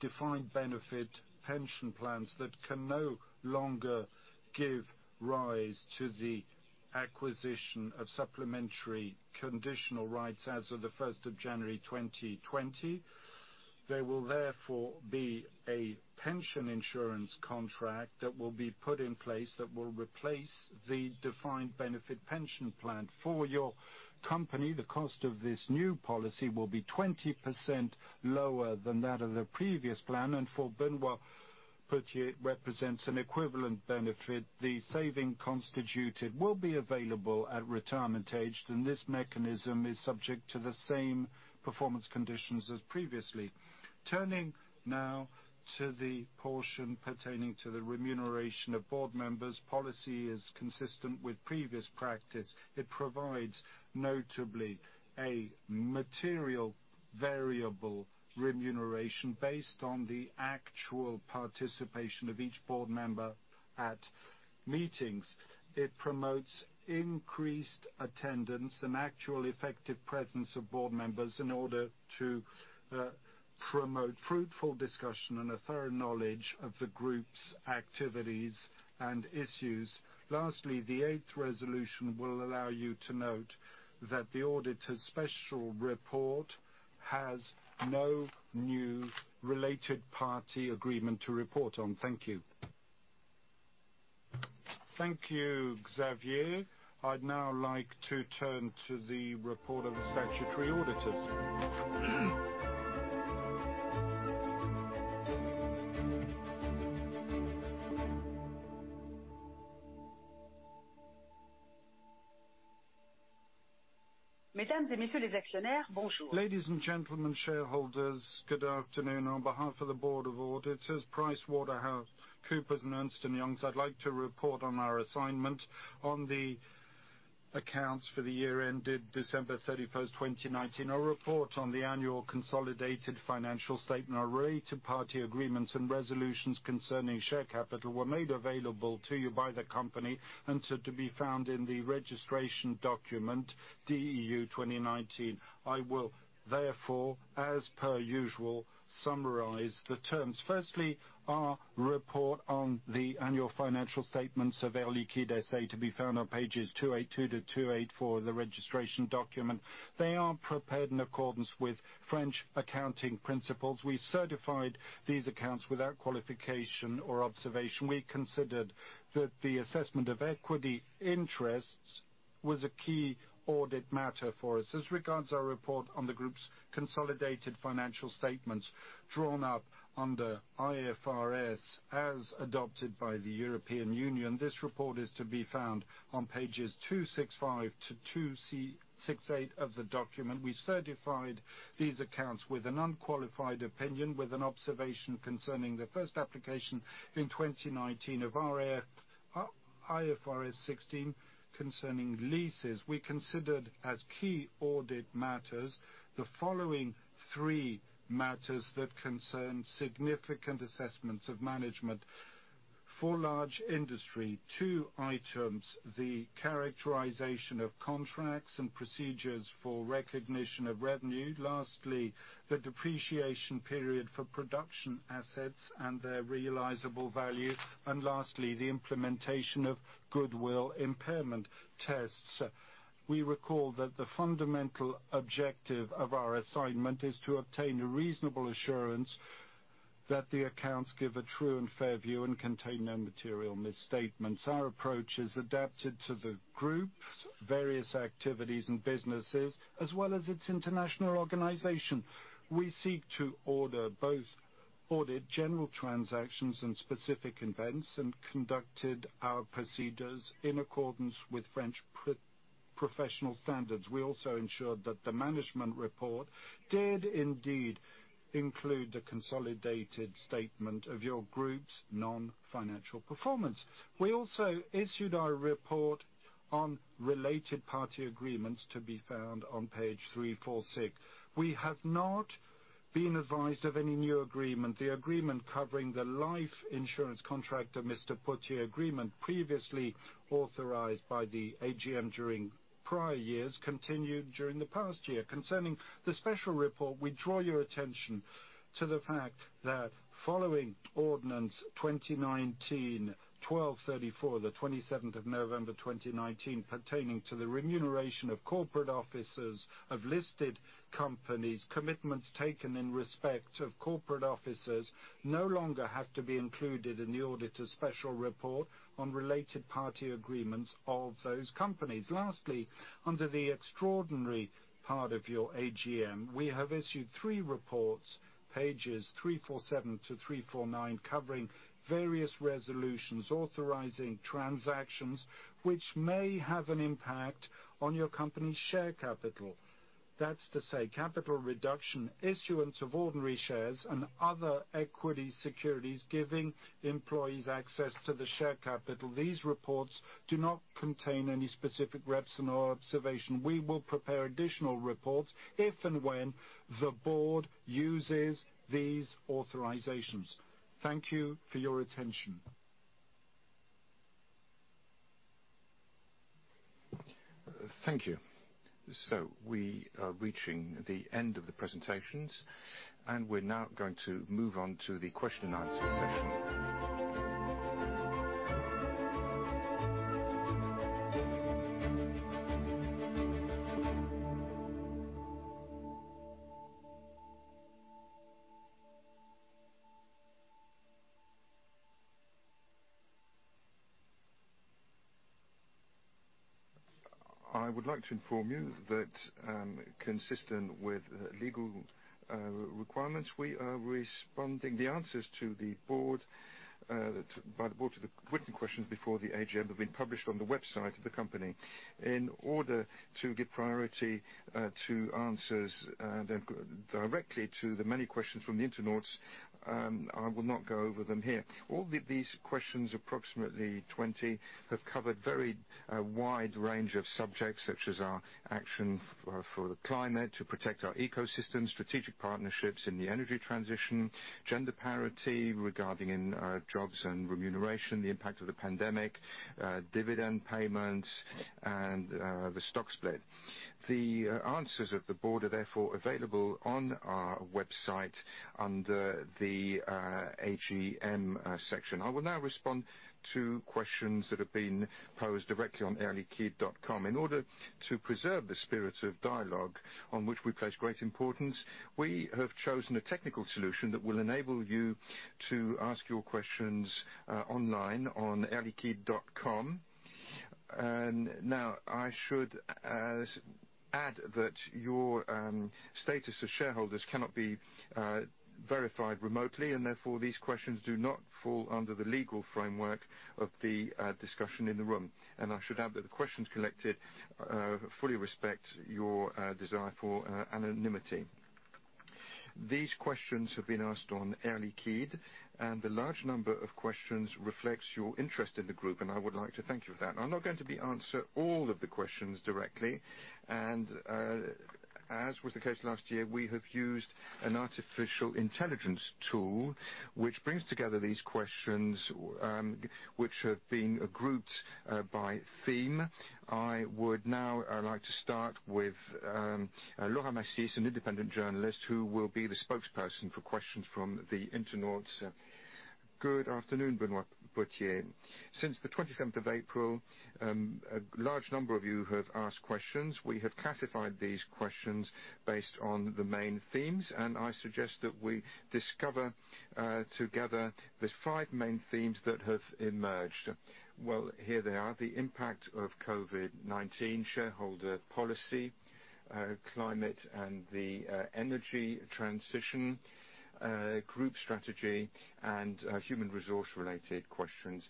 E: defined benefit pension plans that can no longer give rise to the acquisition of supplementary conditional rights as of the 1st of January 2020. There will therefore be a pension insurance contract that will be put in place that will replace the defined benefit pension plan. For your company, the cost of this new policy will be 20% lower than that of the previous plan, and for Benoît Potier, represents an equivalent benefit. The saving constituted will be available at retirement age, and this mechanism is subject to the same performance conditions as previously. Turning now to the portion pertaining to the remuneration of board members. Policy is consistent with previous practice. It provides notably a material variable remuneration based on the actual participation of each board member at meetings. It promotes increased attendance and actual effective presence of board members in order to promote fruitful discussion and a thorough knowledge of the group's activities and issues. Lastly, the eighth resolution will allow you to note that the auditor's special report has no new related party agreement to report on. Thank you.
A: Thank you, Xavier. I'd now like to turn to the report of the statutory auditors.
F: Ladies and gentlemen, shareholders, good afternoon. On behalf of the Board of Auditors, PricewaterhouseCoopers and Ernst & Young, I'd like to report on our assignment on the accounts for the year ended December 31st, 2019. Our report on the annual consolidated financial statement related party agreements and resolutions concerning share capital were made available to you by the company and so to be found in the registration document DEU 2019. I will therefore, as per usual, summarize the terms. Firstly, our report on the annual financial statements of L'Air Liquide S.A. to be found on pages 282 to 284 of the registration document. They are prepared in accordance with French accounting principles. We certified these accounts without qualification or observation. We considered that the assessment of equity interests was a key audit matter for us. As regards our report on the group's consolidated financial statements drawn up under IFRS as adopted by the European Union. This report is to be found on pages 265 to 268 of the document. We certified these accounts with an unqualified opinion, with an observation concerning the first application in 2019 of IFRS 16 concerning leases. We considered as key audit matters the following three matters that concern significant assessments of management. For large industry, two items, the characterization of contracts and procedures for recognition of revenue. Lastly, the depreciation period for production assets and their realizable value. Lastly, the implementation of goodwill impairment tests. We recall that the fundamental objective of our assignment is to obtain a reasonable assurance that the accounts give a true and fair view and contain no material misstatements. Our approach is adapted to the group's various activities and businesses, as well as its international organization. We seek to order both audit general transactions and specific events, and conducted our procedures in accordance with French professional standards. We also ensured that the management report did indeed include a consolidated statement of your group's non-financial performance. We also issued our report on related party agreements to be found on page 346. We have not been advised of any new agreement. The agreement covering the life insurance contract of Mr. Potier agreement previously authorized by the AGM during prior years, continued during the past year. Concerning the special report, we draw your attention to the fact that following Ordinance 2019-1234 of the 27th of November, 2019, pertaining to the remuneration of corporate officers of listed companies, commitments taken in respect of corporate officers no longer have to be included in the auditor's special report on related party agreements of those companies. Lastly, under the extraordinary part of your AGM, we have issued three reports, pages 347 to 349, covering various resolutions authorizing transactions which may have an impact on your company's share capital. That's to say, capital reduction, issuance of ordinary shares and other equity securities giving employees access to the share capital. These reports do not contain any specific reps and observation. We will prepare additional reports if and when the board uses these authorizations. Thank you for your attention.
A: Thank you. We are reaching the end of the presentations, and we're now going to move on to the question and answer session. I would like to inform you that, consistent with legal requirements, we are responding. The answers to the board, by the board to the written questions before the AGM have been published on the website of the company. In order to give priority to answers directly to the many questions from the internauts, I will not go over them here. All these questions, approximately 20, have covered very wide range of subjects, such as our action for the climate to protect our ecosystem, strategic partnerships in the energy transition, gender parity regarding in jobs and remuneration, the impact of the pandemic, dividend payments, and the stock split. The answers of the board are therefore available on our website under the AGM section. I will now respond to questions that have been posed directly on airliquide.com. In order to preserve the spirit of dialogue on which we place great importance, we have chosen a technical solution that will enable you to ask your questions online on airliquide.com. Now, I should add that your status as shareholders cannot be verified remotely, and therefore, these questions do not fall under the legal framework of the discussion in the room. I should add that the questions collected fully respect your desire for anonymity. These questions have been asked on Air Liquide, and the large number of questions reflects your interest in the group, and I would like to thank you for that. I'm not going to be answer all of the questions directly, and as was the case last year, we have used an artificial intelligence tool which brings together these questions, which have been grouped by theme. I would now like to start with Laura Massis, an independent journalist who will be the spokesperson for questions from the internauts. Good afternoon, Benoît Potier. Since the 27th of April, a large number of you have asked questions. We have classified these questions based on the main themes, and I suggest that we discover together the five main themes that have emerged. Well, here they are: the impact of COVID-19, shareholder policy, climate and the energy transition, group strategy, and human resource related questions.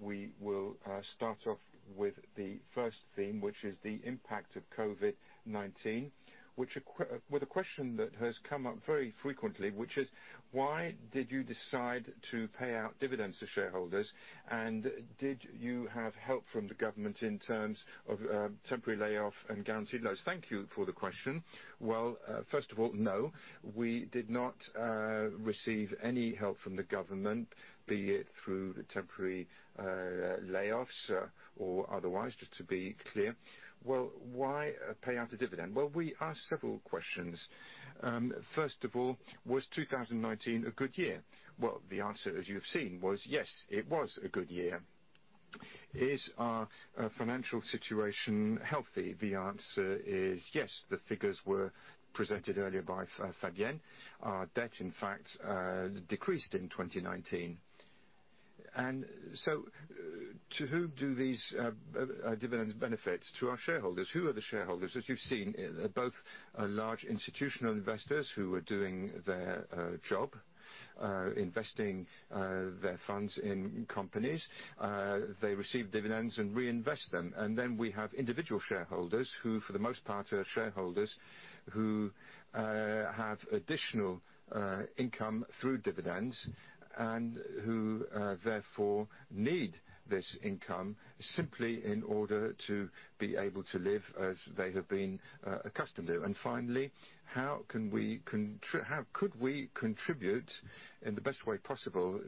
A: We will start off with the first theme, which is the impact of COVID-19. With a question that has come up very frequently, which is, why did you decide to pay out dividends to shareholders, and did you have help from the government in terms of temporary layoff and guaranteed loans? Thank you for the question. Well, first of all, no, we did not receive any help from the government, be it through temporary layoffs or otherwise, just to be clear. Well, why pay out a dividend? Well, we asked several questions. First of all, was 2019 a good year? Well, the answer as you have seen was, yes, it was a good year. Is our financial situation healthy? The answer is yes. The figures were presented earlier by Fabienne. Our debt, in fact, decreased in 2019. To who do these dividends benefit? To our shareholders. Who are the shareholders?
F: As you've seen, both large institutional investors who are doing their job investing their funds in companies. They receive dividends and reinvest them. We have individual shareholders, who for the most part are shareholders who have additional income through dividends and who therefore need this income simply in order to be able to live as they have been accustomed to. Finally, how could we contribute in the best way possible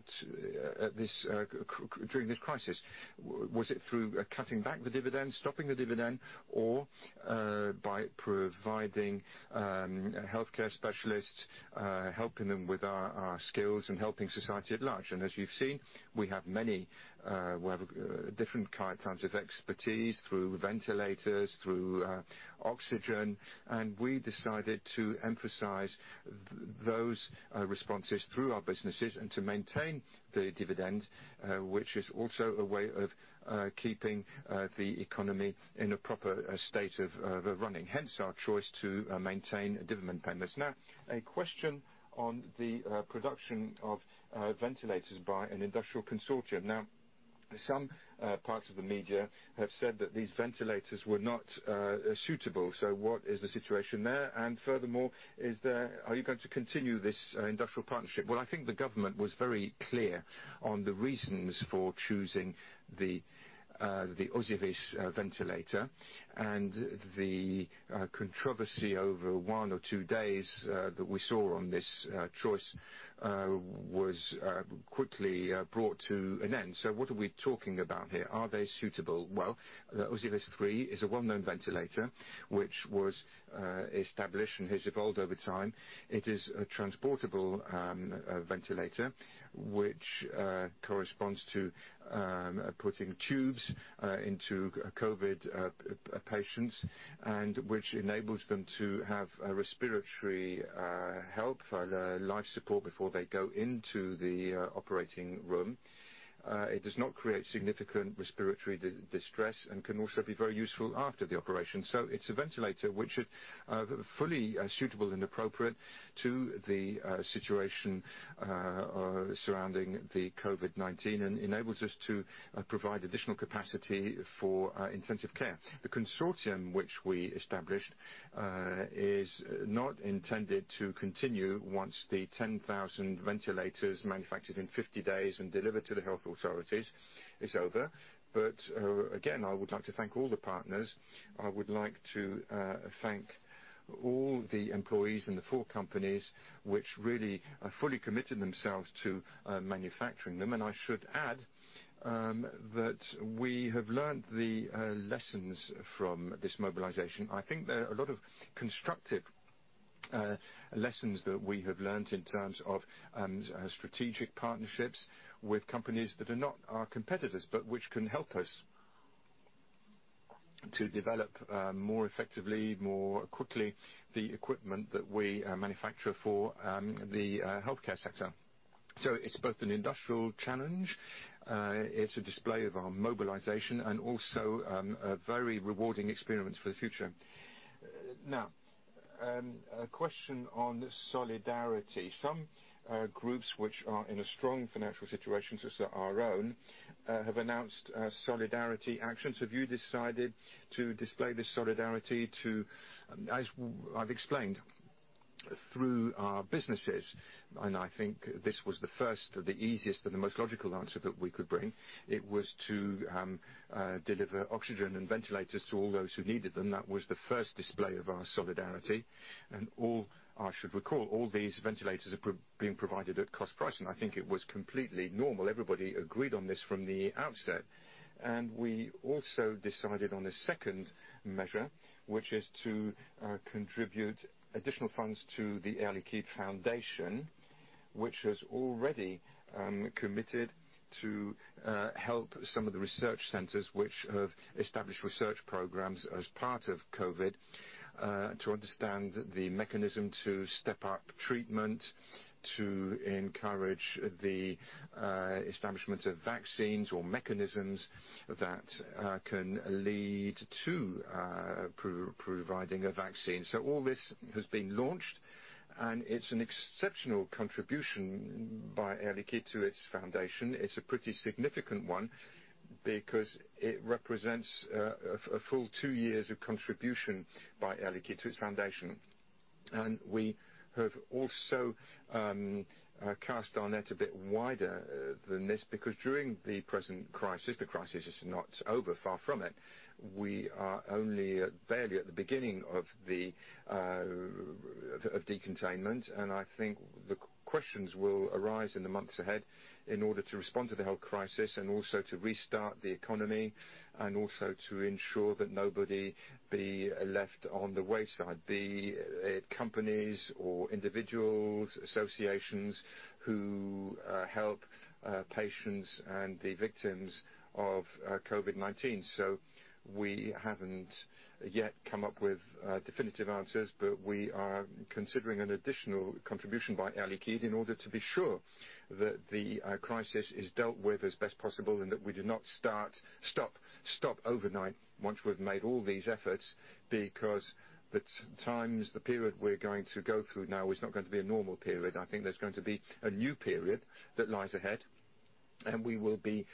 F: during this crisis? Was it through cutting back the dividends, stopping the dividend, or by providing healthcare specialists, helping them with our skills and helping society at large? As you've seen, we have different types of expertise through ventilators, through oxygen, and we decided to emphasize those responses through our businesses and to maintain the dividend, which is also a way of keeping the economy in a proper state of running.
A: Hence our choice to maintain dividend payments. Now, a question on the production of ventilators by an industrial consortium. Some parts of the media have said that these ventilators were not suitable. What is the situation there? Furthermore, are you going to continue this industrial partnership? Well, I think the government was very clear on the reasons for choosing the Osiris ventilator. The controversy over one or two days that we saw on this choice was quickly brought to an end. What are we talking about here? Are they suitable? Well, the Osiris 3 is a well-known ventilator, which was established and has evolved over time. It is a transportable ventilator, which corresponds to putting tubes into COVID patients, and which enables them to have respiratory help, life support before they go into the operating room. It does not create significant respiratory distress and can also be very useful after the operation. It's a ventilator which should be fully suitable and appropriate to the situation surrounding the COVID-19, and enables us to provide additional capacity for intensive care. The consortium which we established is not intended to continue once the 10,000 ventilators manufactured in 50 days and delivered to the health authorities is over. Again, I would like to thank all the partners. I would like to thank all the employees in the four companies which really have fully committed themselves to manufacturing them. I should add that we have learned the lessons from this mobilization. I think there are a lot of constructive lessons that we have learned in terms of strategic partnerships with companies that are not our competitors, but which can help us to develop more effectively, more quickly, the equipment that we manufacture for the healthcare sector. it's both an industrial challenge, it's a display of our mobilization and also a very rewarding experience for the future. Now, a question on solidarity. Some groups which are in a strong financial situation, just like our own, have announced solidarity actions. Have you decided to display this solidarity too? As I've explained, through our businesses, and I think this was the first, the easiest, and the most logical answer that we could bring. It was to deliver oxygen and ventilators to all those who needed them. That was the first display of our solidarity. I should recall, all these ventilators are being provided at cost price. I think it was completely normal. Everybody agreed on this from the outset. We also decided on a second measure, which is to contribute additional funds to the Air Liquide Foundation, which has already committed to help some of the research centers which have established research programs as part of COVID, to understand the mechanism to step up treatment, to encourage the establishment of vaccines or mechanisms that can lead to providing a vaccine. All this has been launched, and it's an exceptional contribution by Air Liquide to its foundation. It's a pretty significant one, because it represents a full two years of contribution by Air Liquide to its foundation. We have also cast our net a bit wider than this, because during the present crisis, the crisis is not over, far from it. We are only barely at the beginning of decontainment. I think the questions will arise in the months ahead in order to respond to the health crisis and also to restart the economy and also to ensure that nobody be left on the wayside, be it companies or individuals, associations who help patients and the victims of COVID-19. We haven't yet come up with definitive answers, but we are considering an additional contribution by Air Liquide in order to be sure that the crisis is dealt with as best possible and that we do not stop overnight once we've made all these efforts. Because the times, the period we're going to go through now is not going to be a normal period. I think there's going to be a new period that lies ahead, and we will be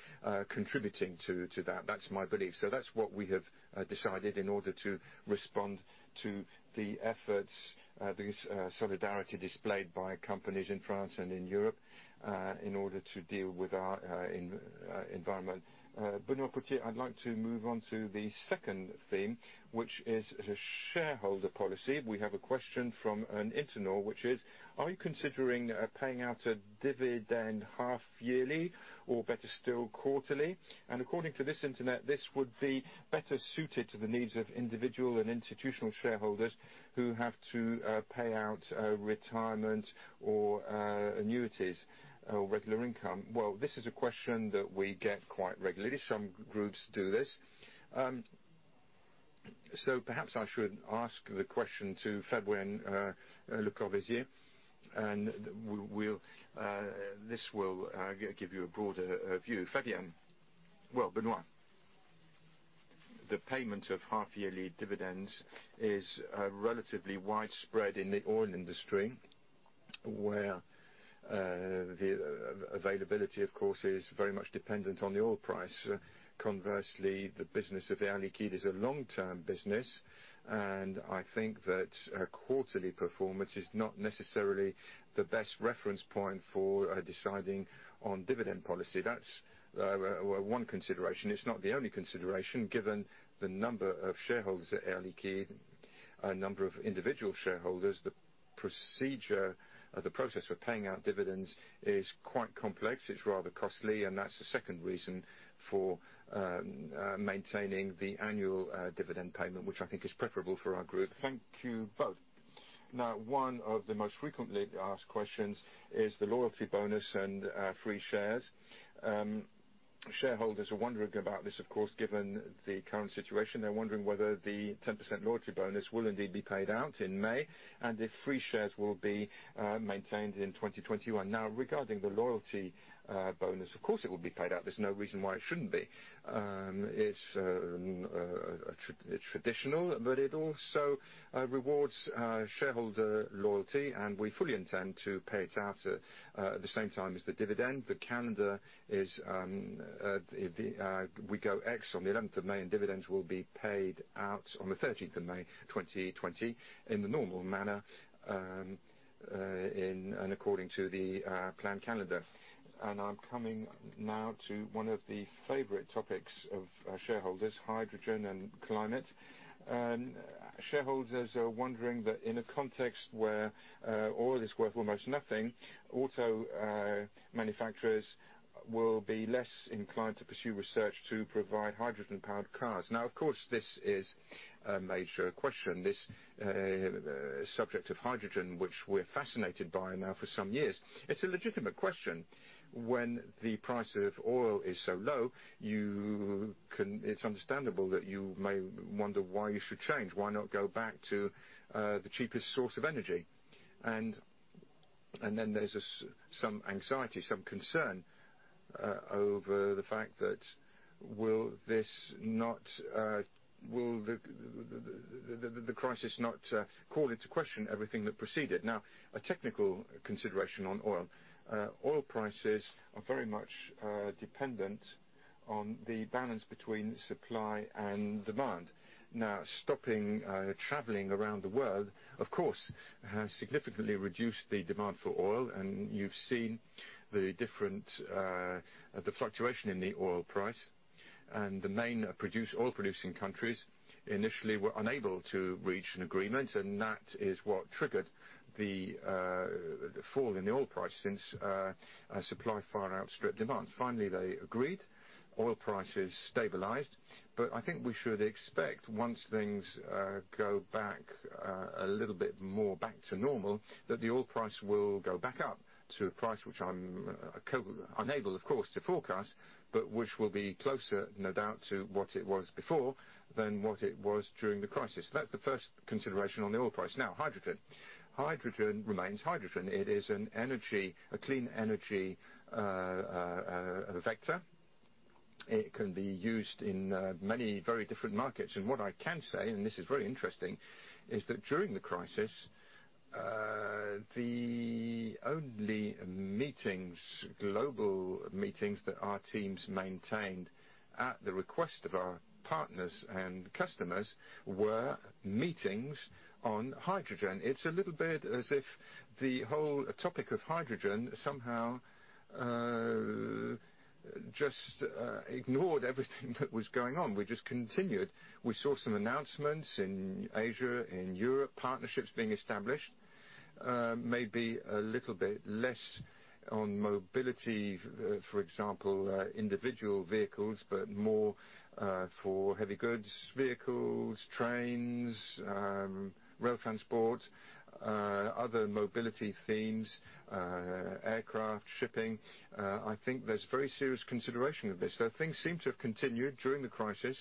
A: contributing to that. That's my belief. That's what we have decided in order to respond to the efforts, the solidarity displayed by companies in France and in Europe, in order to deal with our environment. Benoît Potier, I'd like to move on to the second theme, which is the shareholder policy. We have a question from an internaut, which is: Are you considering paying out a dividend half yearly or better still, quarterly? According to this internaut, this would be better suited to the needs of individual and institutional shareholders who have to pay out retirement or annuities or regular income. Well, this is a question that we get quite regularly. Some groups do this. perhaps I should ask the question to Fabienne Lecorvaisier, and this will give you a broader view. Fabienne. Well, Benoît. The payment of half yearly dividends is relatively widespread in the oil industry, where the availability, of course, is very much dependent on the oil price. Conversely, the business of Air Liquide is a long-term business, and I think that quarterly performance is not necessarily the best reference point for deciding on dividend policy. That's one consideration. It's not the only consideration, given the number of shareholders at Air Liquide, a number of individual shareholders. The procedure of the process for paying out dividends is quite complex. It's rather costly, and that's the second reason for maintaining the annual dividend payment, which I think is preferable for our group. Thank you both. Now, one of the most frequently asked questions is the loyalty bonus and free shares. Shareholders are wondering about this, of course, given the current situation. They're wondering whether the 10% loyalty bonus will indeed be paid out in May, and if free shares will be maintained in 2021. Now, regarding the loyalty bonus, of course, it will be paid out. There's no reason why it shouldn't be. It's traditional, but it also rewards shareholder loyalty, and we fully intend to pay it out at the same time as the dividend. The calendar is, we go ex on the 11th of May, and dividends will be paid out on the 13th of May 2020 in the normal manner and according to the planned calendar. I'm coming now to one of the favorite topics of our shareholders, hydrogen and climate. Shareholders are wondering that in a context where oil is worth almost nothing, auto manufacturers will be less inclined to pursue research to provide hydrogen-powered cars. Now, of course, this is a major question, this subject of hydrogen, which we're fascinated by now for some years. It's a legitimate question. When the price of oil is so low, it's understandable that you may wonder why you should change. Why not go back to the cheapest source of energy? There's some anxiety, some concern over the fact that will the crisis not call into question everything that preceded. Now, a technical consideration on oil. Oil prices are very much dependent on the balance between supply and demand. Now, stopping traveling around the world, of course, has significantly reduced the demand for oil, and you've seen the fluctuation in the oil price. The main oil-producing countries initially were unable to reach an agreement, and that is what triggered the fall in the oil price since supply far outstripped demand. Finally, they agreed. Oil prices stabilized. I think we should expect, once things go back a little bit more to normal, that the oil price will go back up to a price which I'm unable, of course, to forecast, but which will be closer, no doubt, to what it was before than what it was during the crisis. That's the first consideration on the oil price. Now, hydrogen. Hydrogen remains hydrogen. It is a clean energy vector. It can be used in many very different markets. What I can say, and this is very interesting, is that during the crisis, the only global meetings that our teams maintained at the request of our partners and customers were meetings on hydrogen. It's a little bit as if the whole topic of hydrogen somehow just ignored everything that was going on, which has continued. We saw some announcements in Asia, in Europe, partnerships being established. Maybe a little bit less on mobility, for example individual vehicles, but more for heavy goods vehicles, trains, rail transport, other mobility themes, aircraft, shipping. I think there's very serious consideration of this. Things seem to have continued during the crisis,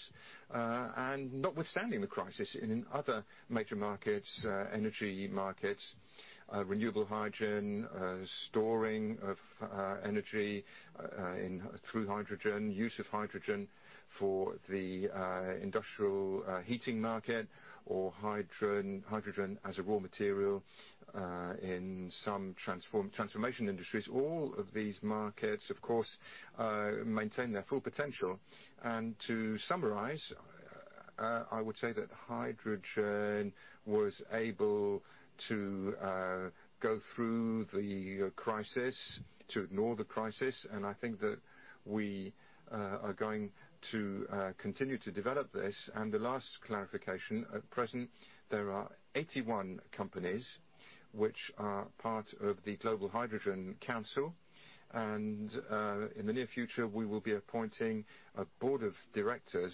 A: and notwithstanding the crisis in other major markets, energy markets, renewable hydrogen, storing of energy through hydrogen, use of hydrogen for the industrial heating market, or hydrogen as a raw material in some transformation industries. All of these markets, of course, maintain their full potential. To summarize, I would say that hydrogen was able to go through the crisis, to ignore the crisis, and I think that we are going to continue to develop this. The last clarification, at present, there are 81 companies which are part of the Global Hydrogen Council, and in the near future, we will be appointing a board of directors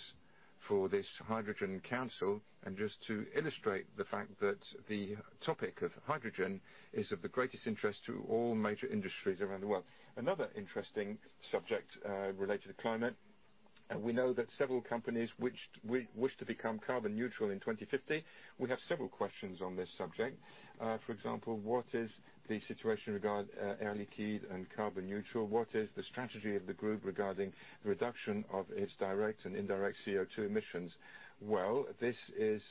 A: for this Hydrogen Council. Just to illustrate the fact that the topic of hydrogen is of the greatest interest to all major industries around the world. Another interesting subject related to climate. We know that several companies wish to become carbon neutral in 2050. We have several questions on this subject. For example, what is the situation regarding Air Liquide and carbon neutral? What is the strategy of the group regarding the reduction of its direct and indirect CO2 emissions? Well, this is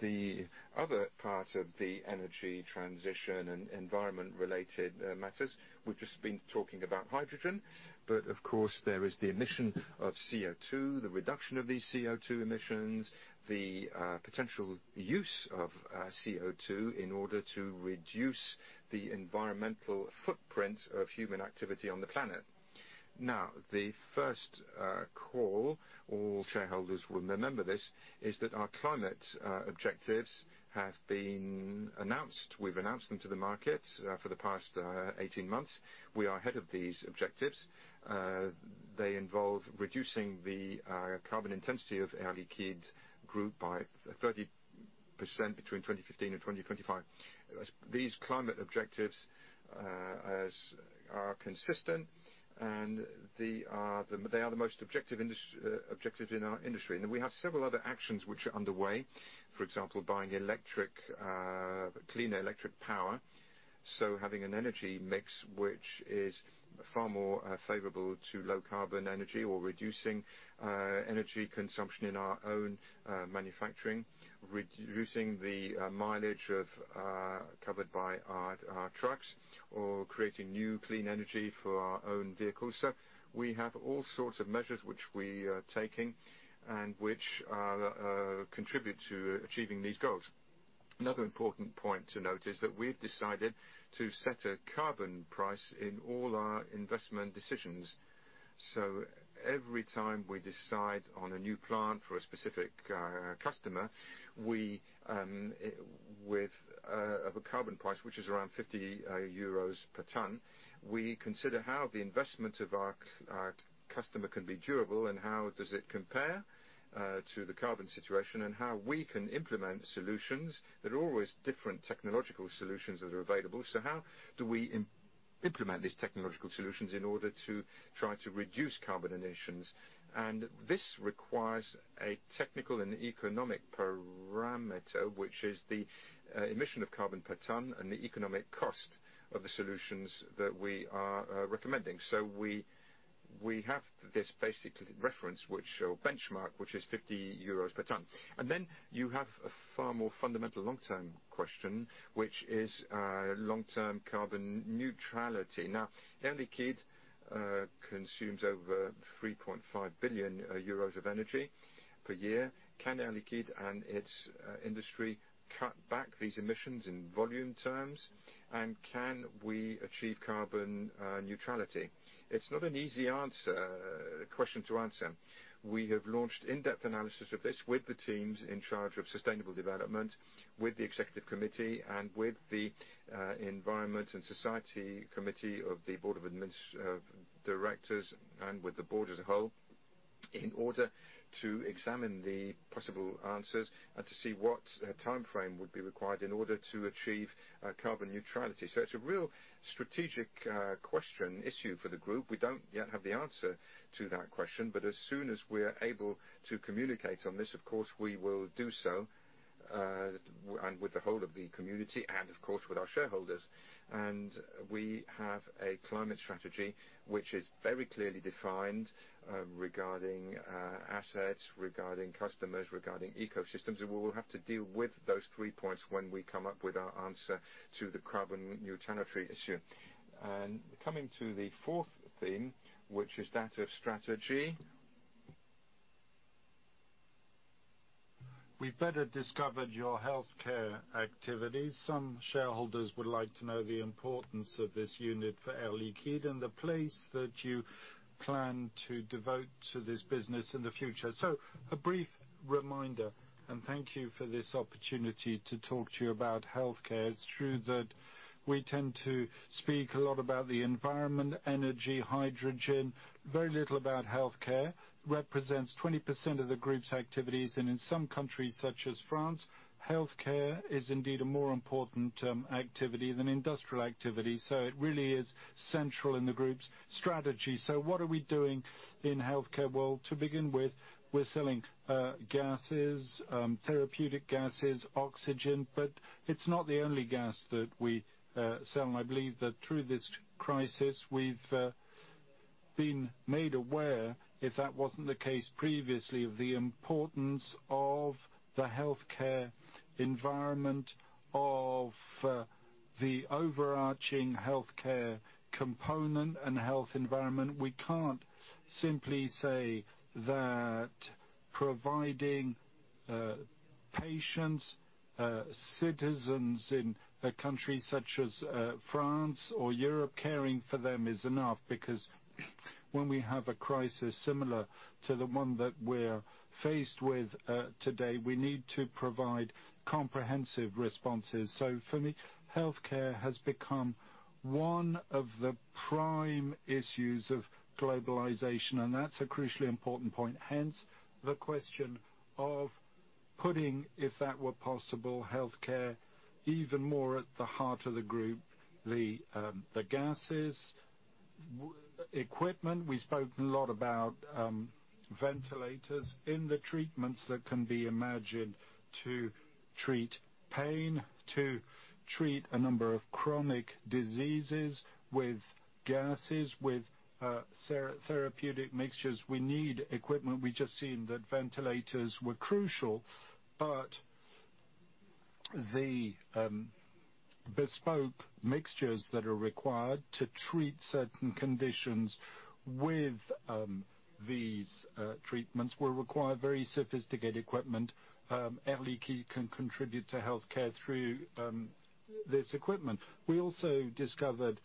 A: the other part of the energy transition and environment-related matters. We've just been talking about hydrogen, but of course, there is the emission of CO2, the reduction of these CO2 emissions, the potential use of CO2 in order to reduce the environmental footprint of human activity on the planet. Now, the first call, all shareholders will remember this, is that our climate objectives have been announced. We've announced them to the market for the past 18 months. We are ahead of these objectives. They involve reducing the carbon intensity of Air Liquide group by 30% between 2015 and 2025. These climate objectives are consistent, and they are the most objective in our industry. We have several other actions which are underway. For example, buying clean electric power. Having an energy mix, which is far more favorable to low carbon energy or reducing energy consumption in our own manufacturing, reducing the mileage covered by our trucks or creating new clean energy for our own vehicles. We have all sorts of measures which we are taking and which contribute to achieving these goals. Another important point to note is that we've decided to set a carbon price in all our investment decisions. Every time we decide on a new plant for a specific customer, with a carbon price, which is around 50 euros per ton, we consider how the investment of our customer can be durable, and how does it compare to the carbon situation, and how we can implement solutions. There are always different technological solutions that are available. How do we implement these technological solutions in order to try to reduce carbon emissions? This requires a technical and economic parameter, which is the emission of carbon per ton and the economic cost of the solutions that we are recommending. We have this basic reference or benchmark, which is 50 euros per ton. You have a far more fundamental long-term question, which is long-term carbon neutrality. Now, Air Liquide consumes over 3.5 billion euros of energy per year. Can Air Liquide and its industry cut back these emissions in volume terms, and can we achieve carbon neutrality? It's not an easy question to answer. We have launched in-depth analysis of this with the teams in charge of sustainable development, with the executive committee, and with the Environment and Society Committee of the board of directors and with the board as a whole in order to examine the possible answers and to see what time frame would be required in order to achieve carbon neutrality. It's a real strategic question issue for the group. We don't yet have the answer to that question, but as soon as we're able to communicate on this, of course, we will do so, and with the whole of the community and of course, with our shareholders. We have a climate strategy, which is very clearly defined regarding assets, regarding customers, regarding ecosystems. We will have to deal with those three points when we come up with our answer to the carbon neutrality issue. Coming to the fourth theme, which is that of strategy. We've better discovered your healthcare activities. Some shareholders would like to know the importance of this unit for Air Liquide and the place that you plan to devote to this business in the future. A brief reminder, and thank you for this opportunity to talk to you about healthcare. It's true that we tend to speak a lot about the environment, energy, hydrogen, very little about healthcare represents 20% of the group's activities, and in some countries, such as France, healthcare is indeed a more important activity than industrial activity. It really is central in the group's strategy. What are we doing in healthcare? Well, to begin with, we're selling gases, therapeutic gases, oxygen, but it's not the only gas that we sell. I believe that through this crisis, we've been made aware, if that wasn't the case previously, of the importance of the healthcare environment, of the overarching healthcare component and health environment. We can't simply say that providing patients, citizens in a country such as France or Europe, caring for them is enough, because when we have a crisis similar to the one that we're faced with today, we need to provide comprehensive responses. for me, healthcare has become one of the prime issues of globalization, and that's a crucially important point. Hence, the question of Putting, if that were possible, healthcare even more at the heart of the group. The gases, equipment, we spoke a lot about ventilators in the treatments that can be imagined to treat pain, to treat a number of chronic diseases with gases, with therapeutic mixtures. We need equipment. We just seen that ventilators were crucial, but the bespoke mixtures that are required to treat certain conditions with these treatments will require very sophisticated equipment. Air Liquide can contribute to healthcare through this equipment. We also discovered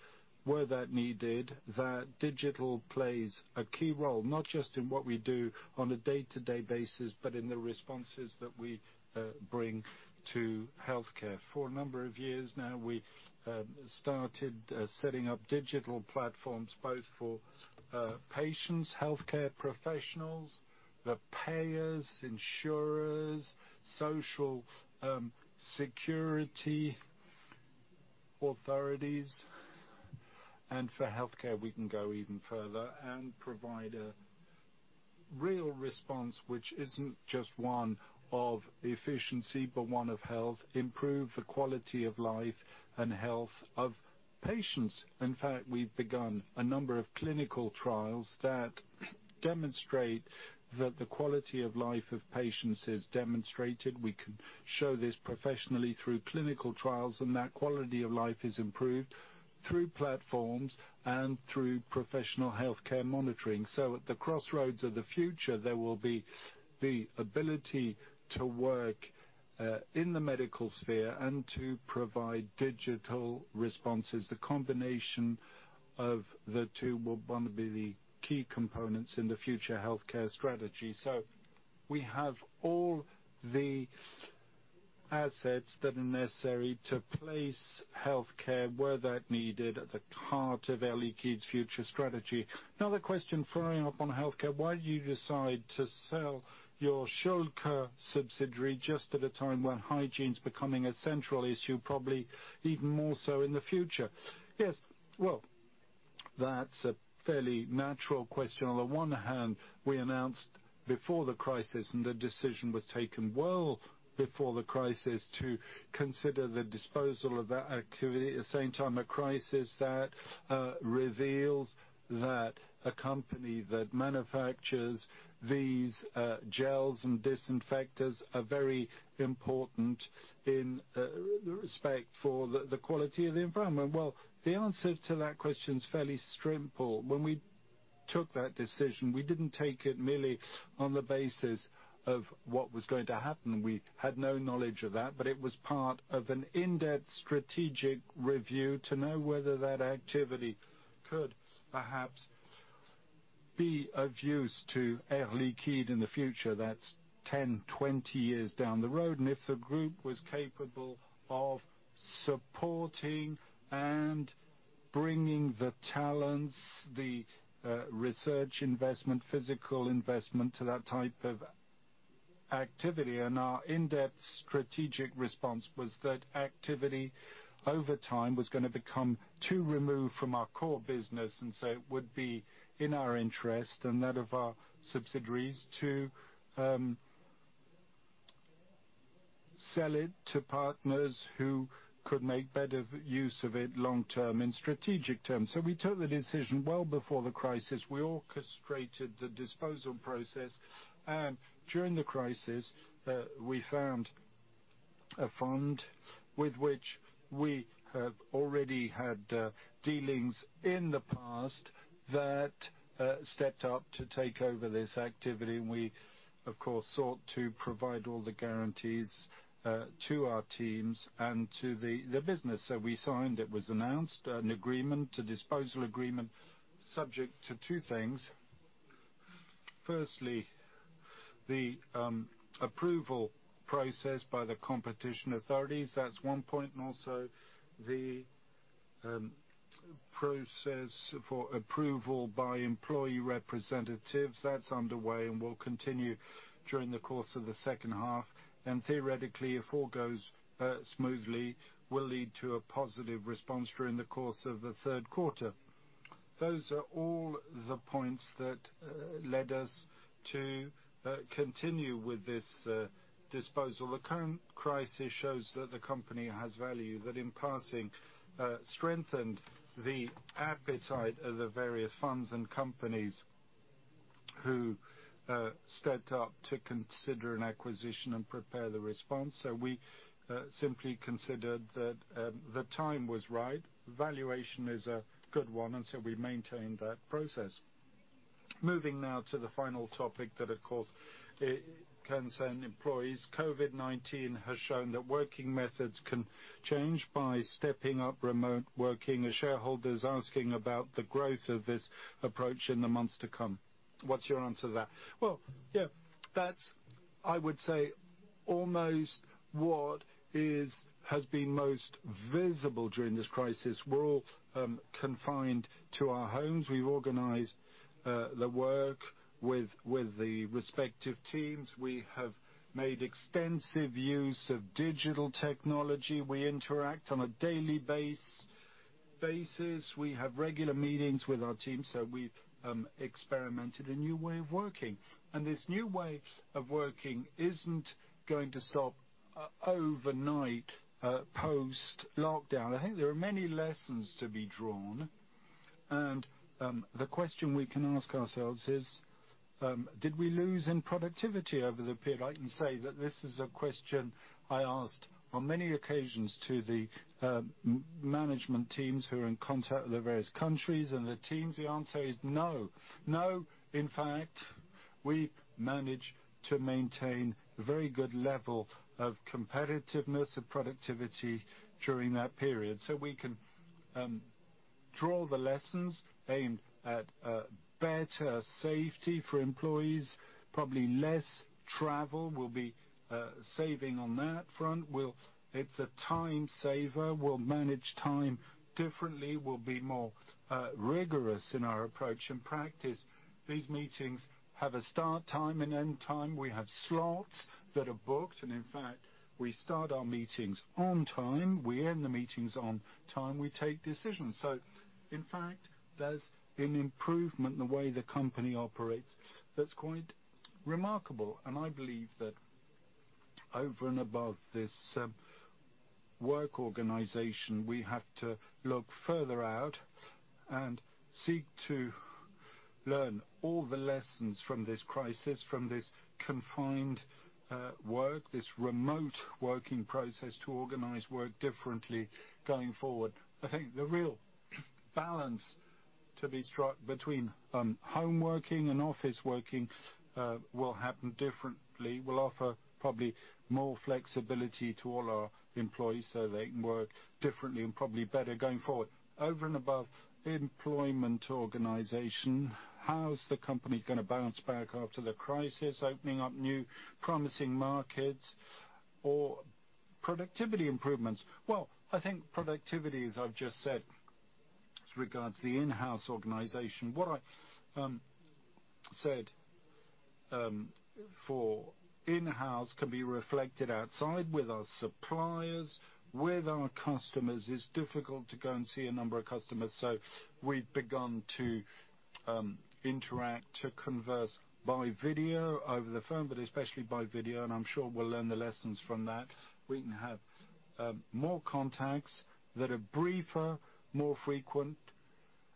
A: where that needed that digital plays a key role, not just in what we do on a day-to-day basis, but in the responses that we bring to healthcare. For a number of years now, we started setting up digital platforms both for patients, healthcare professionals, the payers, insurers, Social Security authorities, and for healthcare, we can go even further and provide a real response, which isn't just one of efficiency, but one of health, improve the quality of life and health of patients. In fact, we've begun a number of clinical trials that demonstrate that the quality of life of patients is demonstrated. We can show this professionally through clinical trials, and that quality of life is improved through platforms and through professional healthcare monitoring. At the crossroads of the future, there will be the ability to work in the medical sphere and to provide digital responses. The combination of the two will want to be the key components in the future healthcare strategy. we have all the assets that are necessary to place healthcare where that needed at the heart of Air Liquide's future strategy. Another question following up on healthcare, why did you decide to sell your Schülke subsidiary just at a time when hygiene is becoming a central issue, probably even more so in the future? Yes. Well, that's a fairly natural question. On the one hand, we announced before the crisis, and the decision was taken well before the crisis, to consider the disposal of that activity. At the same time, a crisis that reveals that a company that manufactures these gels and disinfectants are very important in respect for the quality of the environment. Well, the answer to that question is fairly simple. When we took that decision, we didn't take it merely on the basis of what was going to happen. We had no knowledge of that, but it was part of an in-depth strategic review to know whether that activity could perhaps be of use to Air Liquide in the future, that's 10, 20 years down the road. If the group was capable of supporting and bringing the talents, the research investment, physical investment to that type of activity. Our in-depth strategic response was that activity over time was going to become too removed from our core business, and so it would be in our interest and that of our subsidiaries to sell it to partners who could make better use of it long term in strategic terms. We took the decision well before the crisis. We orchestrated the disposal process, and during the crisis, we found a fund with which we have already had dealings in the past that stepped up to take over this activity. We, of course, sought to provide all the guarantees to our teams and to the business that we signed. It was announced an agreement, a disposal agreement, subject to two things. Firstly, the approval process by the competition authorities. That's one point, and also the process for approval by employee representatives. That's underway and will continue during the course of the second half, and theoretically, if all goes smoothly, will lead to a positive response during the course of the third quarter. Those are all the points that led us to continue with this disposal. The current crisis shows that the company has value that in passing strengthened the appetite of the various funds and companies who stepped up to consider an acquisition and prepare the response. We simply considered that the time was right. Valuation is a good one. We maintained that process. Moving now to the final topic that, of course, it concerned employees. COVID-19 has shown that working methods can change by stepping up remote working. A shareholder is asking about the growth of this approach in the months to come. What's your answer to that? Well, yeah. That's, I would say, almost what has been most visible during this crisis. We're all confined to our homes. We've organized the work with the respective teams. We have made extensive use of digital technology. We interact on a daily basis. We have regular meetings with our team. We've experimented a new way of working. This new way of working isn't going to stop overnight, post-lockdown. I think there are many lessons to be drawn. The question we can ask ourselves is, did we lose in productivity over the period? I can say that this is a question I asked on many occasions to the management teams who are in contact with the various countries and the teams. The answer is no. No, in fact, we managed to maintain a very good level of competitiveness of productivity during that period. We can draw the lessons aimed at better safety for employees, probably less travel. We'll be saving on that front. It's a time saver. We'll manage time differently. We'll be more rigorous in our approach and practice. These meetings have a start time and end time. We have slots that are booked and in fact, we start our meetings on time. We end the meetings on time. We take decisions. In fact, there's an improvement in the way the company operates that's quite remarkable. I believe that over and above this work organization, we have to look further out and seek to learn all the lessons from this crisis, from this confined work, this remote working process to organize work differently going forward. I think the real balance to be struck between home working and office working will happen differently, will offer probably more flexibility to all our employees so they can work differently and probably better going forward. Over and above employment organization, how is the company going to bounce back after the crisis, opening up new promising markets or productivity improvements? Well, I think productivity, as I've just said, regards the in-house organization. What I said for in-house can be reflected outside with our suppliers, with our customers. It's difficult to go and see a number of customers. we've begun to interact, to converse by video, over the phone, but especially by video, and I'm sure we'll learn the lessons from that. We can have more contacts that are briefer, more frequent,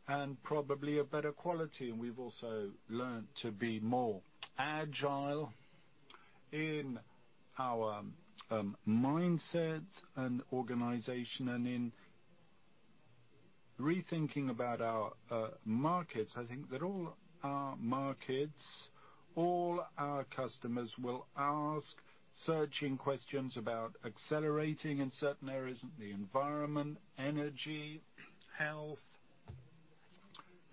A: and probably of better quality. we've also learned to be more agile in our mindset and organization and in rethinking about our markets. I think that all our markets, all our customers will ask searching questions about accelerating in certain areas, the environment, energy, health,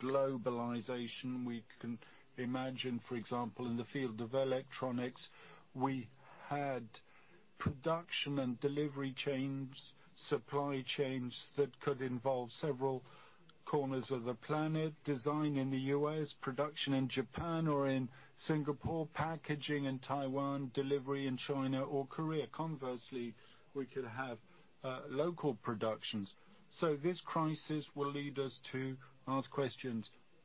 A: globalization. We can imagine, for example, in the field of electronics, we had production and delivery chains, supply chains that could involve several corners of the planet, design in the U.S., production in Japan or in Singapore, packaging in Taiwan, delivery in China or Korea. Conversely, we could have local productions. This crisis will lead us to ask questions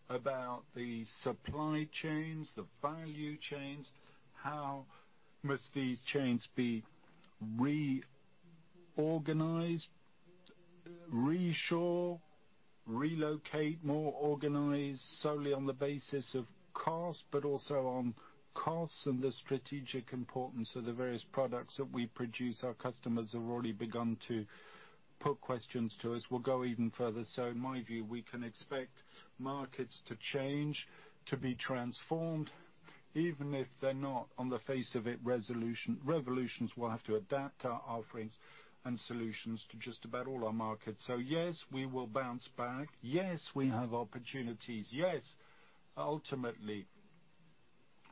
A: about the supply chains, the value chains, how must these chains be reorganized, reshore, relocate, more organized solely on the basis of cost, but also on cost and the strategic importance of the various products that we produce. Our customers have already begun to put questions to us. We'll go even further. In my view, we can expect markets to change, to be transformed, even if they're not on the face of it revolutions. We'll have to adapt our offerings and solutions to just about all our markets. Yes, we will bounce back. Yes, we have opportunities. Yes, ultimately,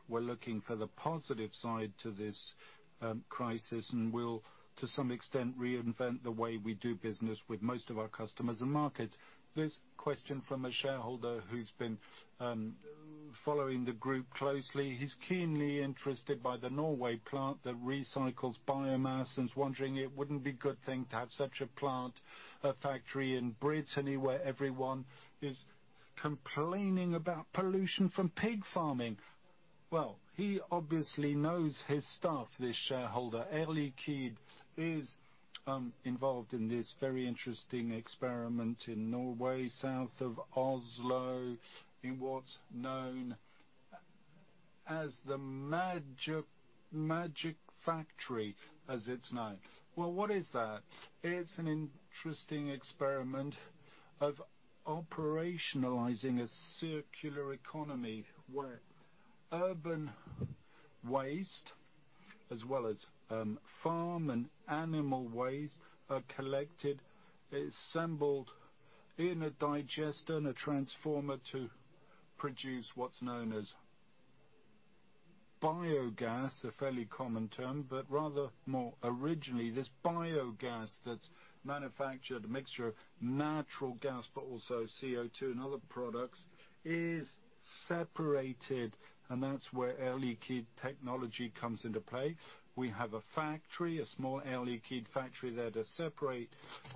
A: we're looking for the positive side to this crisis, and we'll, to some extent, reinvent the way we do business with most of our customers and markets. This question from a shareholder who's been following the group closely.
F: He's keenly interested by the Norway plant that recycles biomass and is wondering it wouldn't be good thing to have such a plant, a factory in Brittany, where everyone is complaining about pollution from pig farming. Well, he obviously knows his stuff, this shareholder. Air Liquide is involved in this very interesting experiment in Norway, south of Oslo, in what's known as the Magic Factory, as it's known. Well, what is that? It's an interesting experiment of operationalizing a circular economy where urban waste, as well as farm and animal waste, are collected, assembled in a digester and a transformer to produce what's known as biogas, a fairly common term, but rather more originally, this biogas that's manufactured, a mixture of natural gas, but also CO2 and other products, is separated, and that's where Air Liquide technology comes into play.
A: We have a factory, a small Air Liquide factory there to separate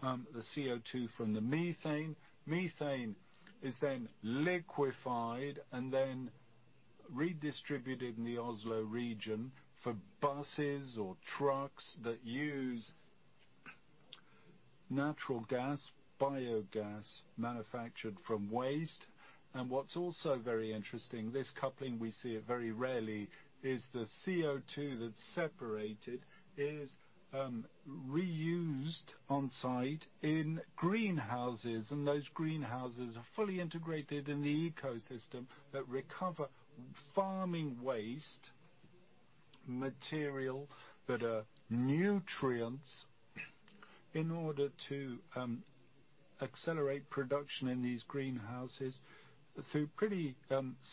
A: the CO2 from the methane. Methane is then liquefied and then redistributed in the Oslo region for buses or trucks that use natural gas, biogas manufactured from waste. what's also very interesting, this coupling, we see it very rarely, is the CO2 that's separated is reused on-site in greenhouses. those greenhouses are fully integrated in the ecosystem that recover farming waste material that are nutrients in order to accelerate production in these greenhouses through pretty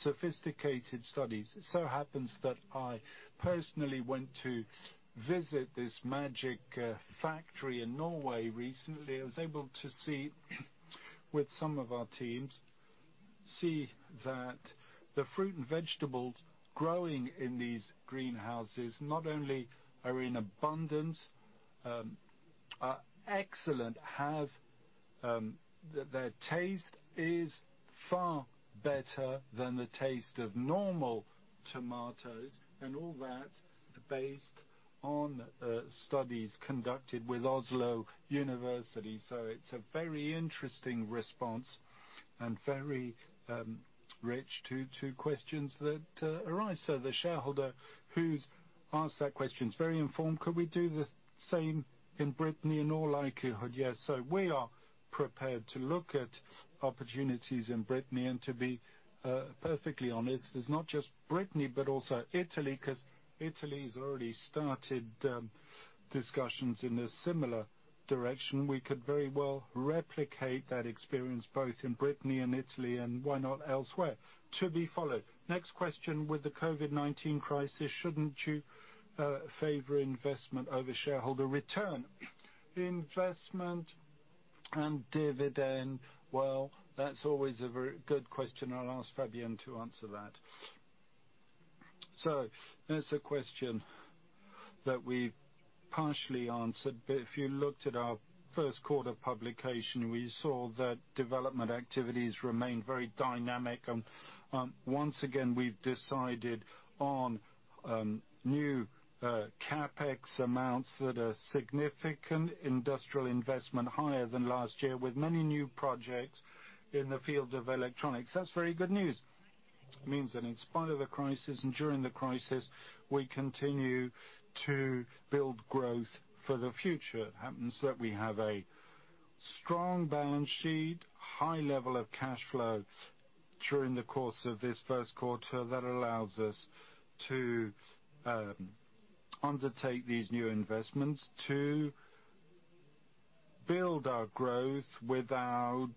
A: sophisticated studies. It so happens that I personally went to visit this Magic Factory in Norway recently. I was able to see, with some of our teams, that the fruit and vegetables growing in these greenhouses not only are in abundance, are excellent. Their taste is far better than the taste of normal tomatoes and all that based on studies conducted with University of Oslo. It's a very interesting response and very rich to questions that arise. The shareholder who's asked that question is very informed. Could we do the same in Brittany? In all likelihood, yes. We are prepared to look at opportunities in Brittany. To be perfectly honest, it's not just Brittany, but also Italy, because Italy's already started discussions in a similar direction. We could very well replicate that experience both in Brittany and Italy, and why not elsewhere? To be followed. Next question, with the COVID-19 crisis, shouldn't you favor investment over shareholder return? Investment and dividend. That's always a very good question. I'll ask Fabienne to answer that. That's a question that we partially answered. If you looked at our first quarter publication, we saw that development activities remained very dynamic. Once again, we've decided on new CapEx amounts that are significant industrial investment, higher than last year, with many new projects in the field of electronics. That's very good news. It means that in spite of the crisis and during the crisis, we continue to build growth for the future. It happens that we have a strong balance sheet, high level of cash flow during the course of this first quarter that allows us to undertake these new investments to build our growth without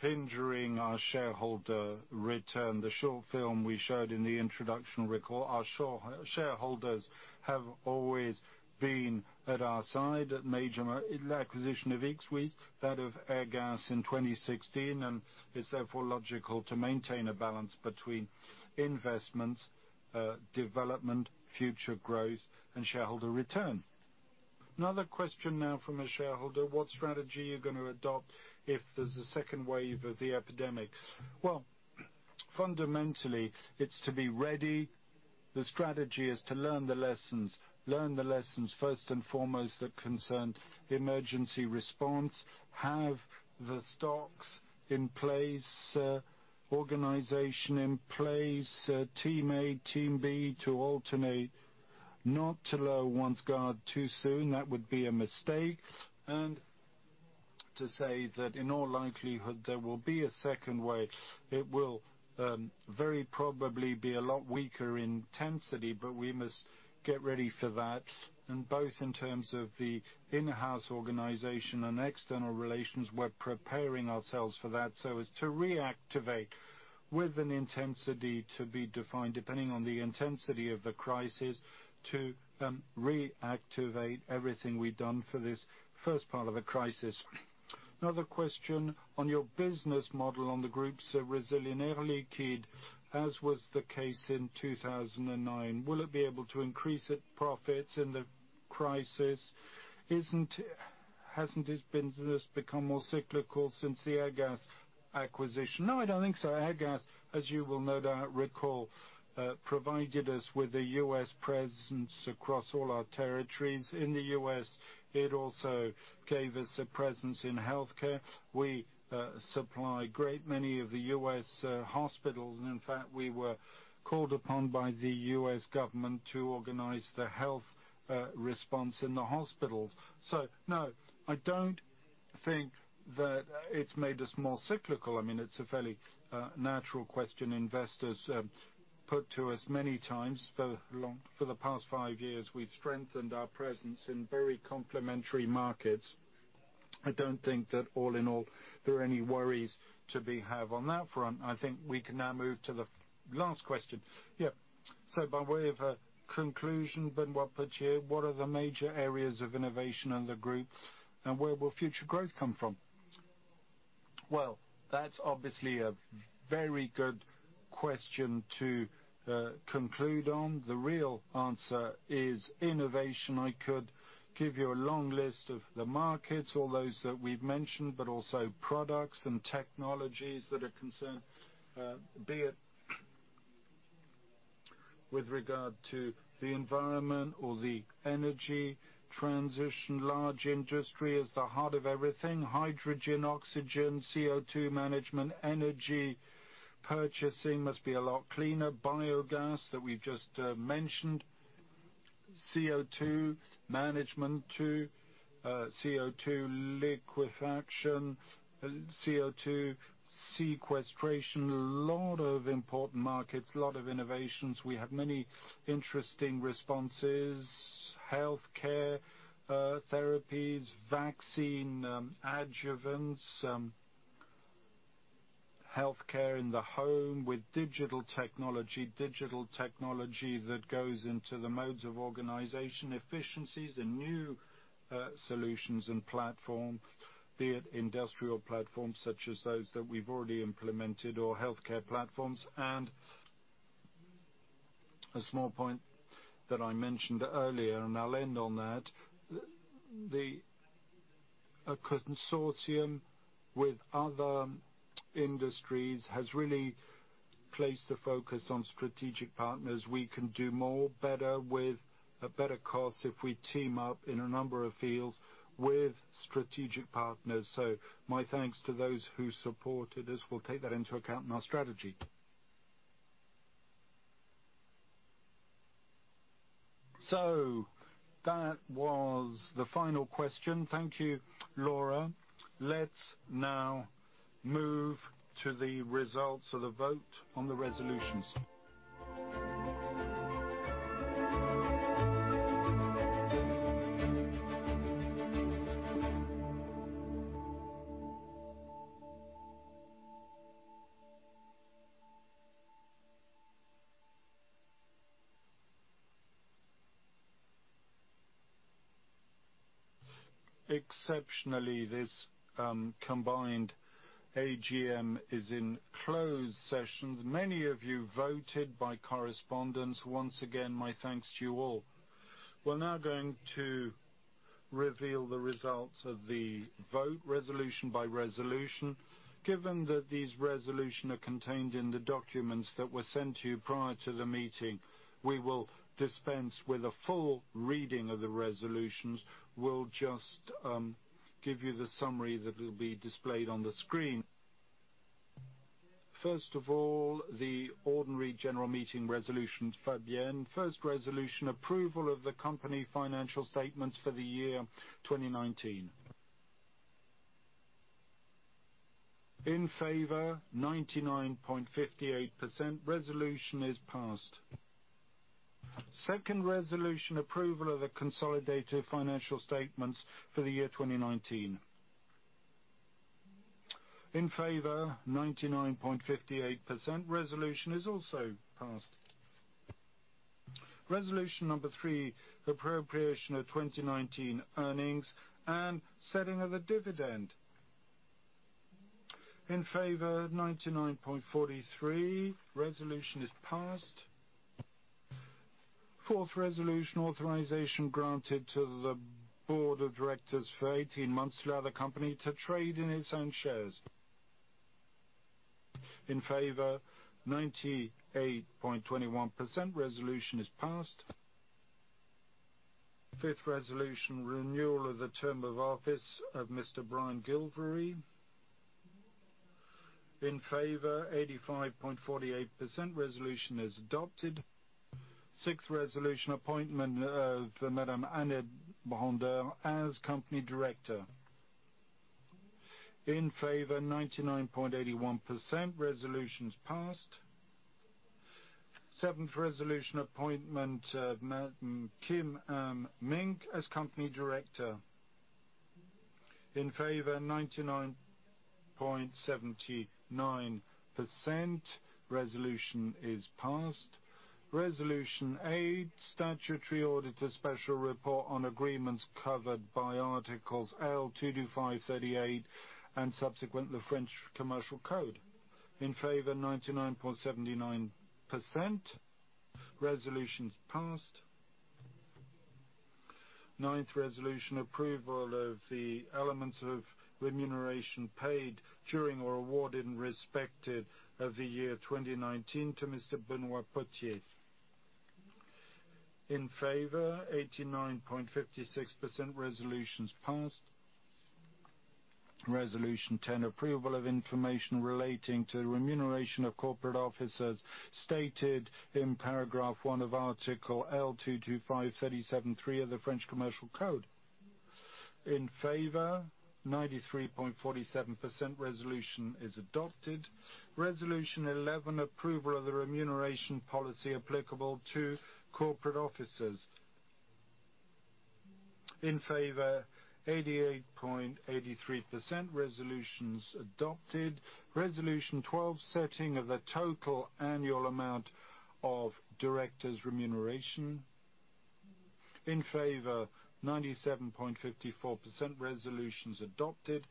A: hindering our shareholder return. The short film we showed in the introduction recall our shareholders have always been at our side at major acquisition of Airgas, that of Airgas in 2016, and it's therefore logical to maintain a balance between investment, development, future growth and shareholder return. Another question now from a shareholder, what strategy are you going to adopt if there's a second wave of the epidemic? Well, fundamentally, it's to be ready. The strategy is to learn the lessons. Learn the lessons, first and foremost, that concern emergency response, have the stocks in place, organization in place, team A, team B to alternate, not to lower one's guard too soon. That would be a mistake. To say that in all likelihood, there will be a second wave. It will very probably be a lot weaker intensity, but we must get ready for that. Both in terms of the in-house organization and external relations, we're preparing ourselves for that so as to reactivate with an intensity to be defined, depending on the intensity of the crisis, to reactivate everything we've done for this first part of the crisis. Another question on your business model on the group's resilience, Air Liquide, as was the case in 2009, will it be able to increase its profits in the crisis? Hasn't this business become more cyclical since the Airgas acquisition? No, I don't think so. Airgas, as you will no doubt recall provided us with a U.S. presence across all our territories in the U.S. It also gave us a presence in healthcare. In fact, we were called upon by the U.S. government to organize the health response in the U.S. hospitals. No, I don't think that it's made us more cyclical. It's a fairly natural question investors put to us many times for the past five years. We've strengthened our presence in very complementary markets. I don't think that all in all, there are any worries to be have on that front. I think we can now move to the last question. By way of a conclusion, Benoît Potier, what are the major areas of innovation in the group, and where will future growth come from? Well, that's obviously a very good question to conclude on. The real answer is innovation. I could give you a long list of the markets, all those that we've mentioned, but also products and technologies that are concerned, be it with regard to the environment or the energy transition. Large industry is the heart of everything. Hydrogen, oxygen, CO2 management, energy purchasing must be a lot cleaner. Biogas that we've just mentioned, CO2 management too, CO2 liquefaction, CO2 sequestration. A lot of important markets, lot of innovations. We have many interesting responses. Healthcare therapies, vaccine adjuvants, healthcare in the home with digital technology, digital technology that goes into the modes of organization efficiencies and new solutions and platforms, be it industrial platforms such as those that we've already implemented or healthcare platforms. A small point that I mentioned earlier, and I'll end on that, a consortium with other industries has really placed a focus on strategic partners. We can do more, better with a better cost if we team up in a number of fields with strategic partners. My thanks to those who supported us. We'll take that into account in our strategy. That was the final question. Thank you, Laura. Let's now move to the results of the vote on the resolutions. Exceptionally, this combined AGM is in closed sessions. Many of you voted by correspondence. Once again, my thanks to you all. We're now going to reveal the results of the vote resolution by resolution. Given that these resolutions are contained in the documents that were sent to you prior to the meeting, we will dispense with a full reading of the resolutions. We'll just give you the summary that will be displayed on the screen. First of all, the ordinary general meeting resolutions. Fabienne, first resolution, approval of the company financial statements for the year 2019. In favor, 99.58%. Resolution is passed. Second resolution, approval of the consolidated financial statements for the year 2019. In favor, 99.58%. Resolution is also passed. Resolution number three, appropriation of 2019 earnings and setting of a dividend. In favor, 99.43%. Resolution is passed. Fourth resolution, authorization granted to the board of directors for 18 months to allow the company to trade in its own shares. In favor, 98.21%. Resolution is passed. Fifth resolution, renewal of the term of office of Mr. Brian Gilvary. In favor, 85.48%. Resolution is adopted. Sixth resolution, appointment of Madame Annette Bronder as company director. In favor, 99.81%. Resolution is passed. Seventh resolution, appointment of Madame Kim Mink as company director. In favor, 99.79%. Resolution is passed. Resolution 8, statutory auditor special report on agreements covered by Articles L225-38 and subsequent the French Commercial Code. In favor, 99.79%. Resolution is passed. Ninth resolution, approval of the elements of remuneration paid during or awarded in respect of the year 2019 to Mr. Benoît Potier. In favor, 89.56%. Resolution is passed. Resolution 10, approval of information relating to remuneration of corporate officers stated in paragraph one of Article L225-37-3 of the French Commercial Code. In favor, 93.47%. Resolution is adopted. Resolution 11, approval of the remuneration policy applicable to corporate officers. In favor, 88.83% resolutions adopted. Resolution 12, setting of the total annual amount of directors' remuneration. In favor, 97.54% resolutions adopted.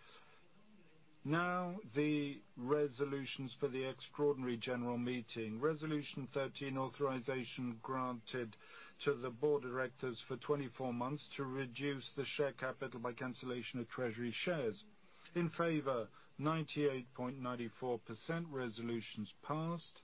A: Now, the resolutions for the extraordinary general meeting. Resolution 13, authorization granted to the board of directors for 24 months to reduce the share capital by cancellation of treasury shares. In favor, 98.94% resolutions passed.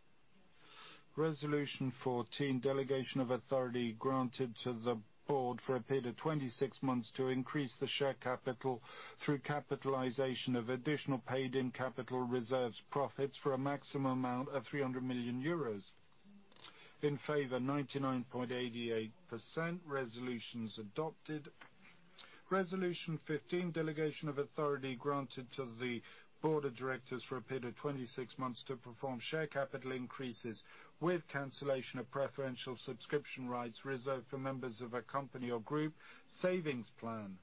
A: Resolution 14, delegation of authority granted to the board for a period of 26 months to increase the share capital through capitalization of additional paid-in capital reserves profits for a maximum amount of 300 million euros. In favor, 99.88% resolutions adopted. Resolution 15, delegation of authority granted to the board of directors for a period of 26 months to perform share capital increases with cancellation of preferential subscription rights reserved for members of a company or group savings plan.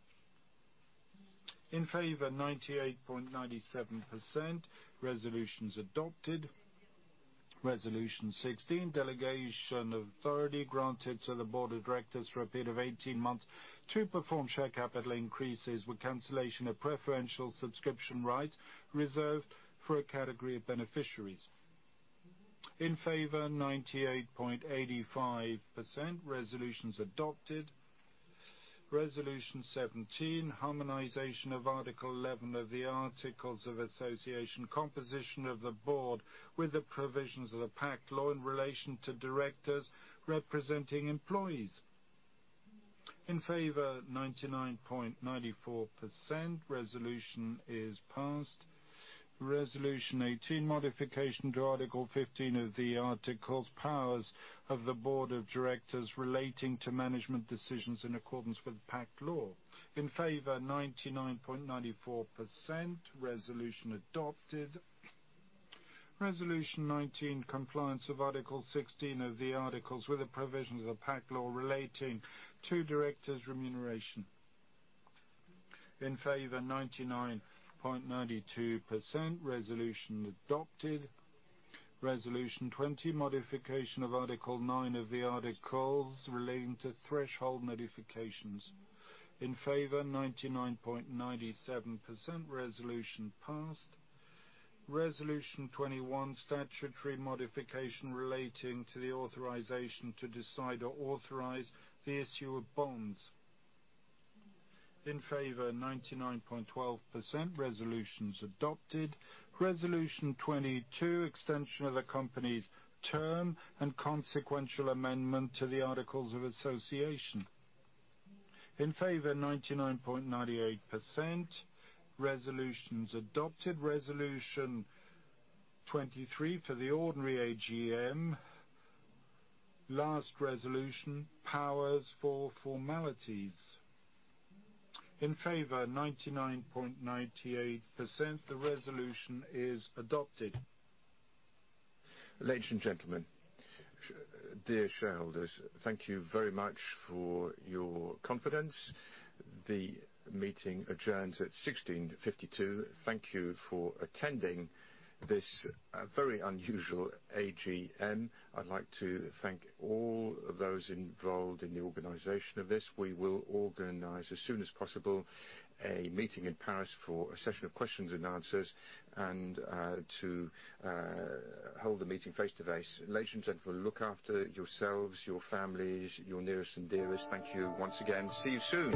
A: In favor, 98.97% resolutions adopted. Resolution 16, delegation of authority granted to the board of directors for a period of 18 months to perform share capital increases with cancellation of preferential subscription rights reserved for a category of beneficiaries. In favor, 98.85% resolutions adopted. Resolution 17, harmonization of Article 11 of the Articles of Association, composition of the board with the provisions of the PACTE Law in relation to directors representing employees. In favor, 99.94% resolution is passed. Resolution 18, modification to Article 15 of the articles, powers of the board of directors relating to management decisions in accordance with PACTE Law. In favor, 99.94% resolution adopted. Resolution 19, compliance of Article 16 of the articles with the provisions of the PACTE Law relating to directors' remuneration. In favor, 99.92% resolution adopted. Resolution 20, modification of Article 9 of the articles relating to threshold modifications. In favor, 99.97% resolution passed. Resolution 21, statutory modification relating to the authorization to decide or authorize the issue of bonds. In favor, 99.12% resolutions adopted. Resolution 22, extension of the company's term and consequential amendment to the Articles of Association. In favor, 99.98% resolutions adopted. Resolution 23 for the ordinary AGM. Last resolution, powers for formalities. In favor, 99.98% the resolution is adopted. Ladies and gentlemen, dear shareholders, thank you very much for your confidence. The meeting adjourns at 4:52 P.M. Thank you for attending this very unusual AGM. I'd like to thank all those involved in the organization of this. We will organize as soon as possible a meeting in Paris for a session of questions and answers and to hold the meeting face-to-face. Ladies and gentlemen, look after yourselves, your families, your nearest and dearest. Thank you once again. See you soon.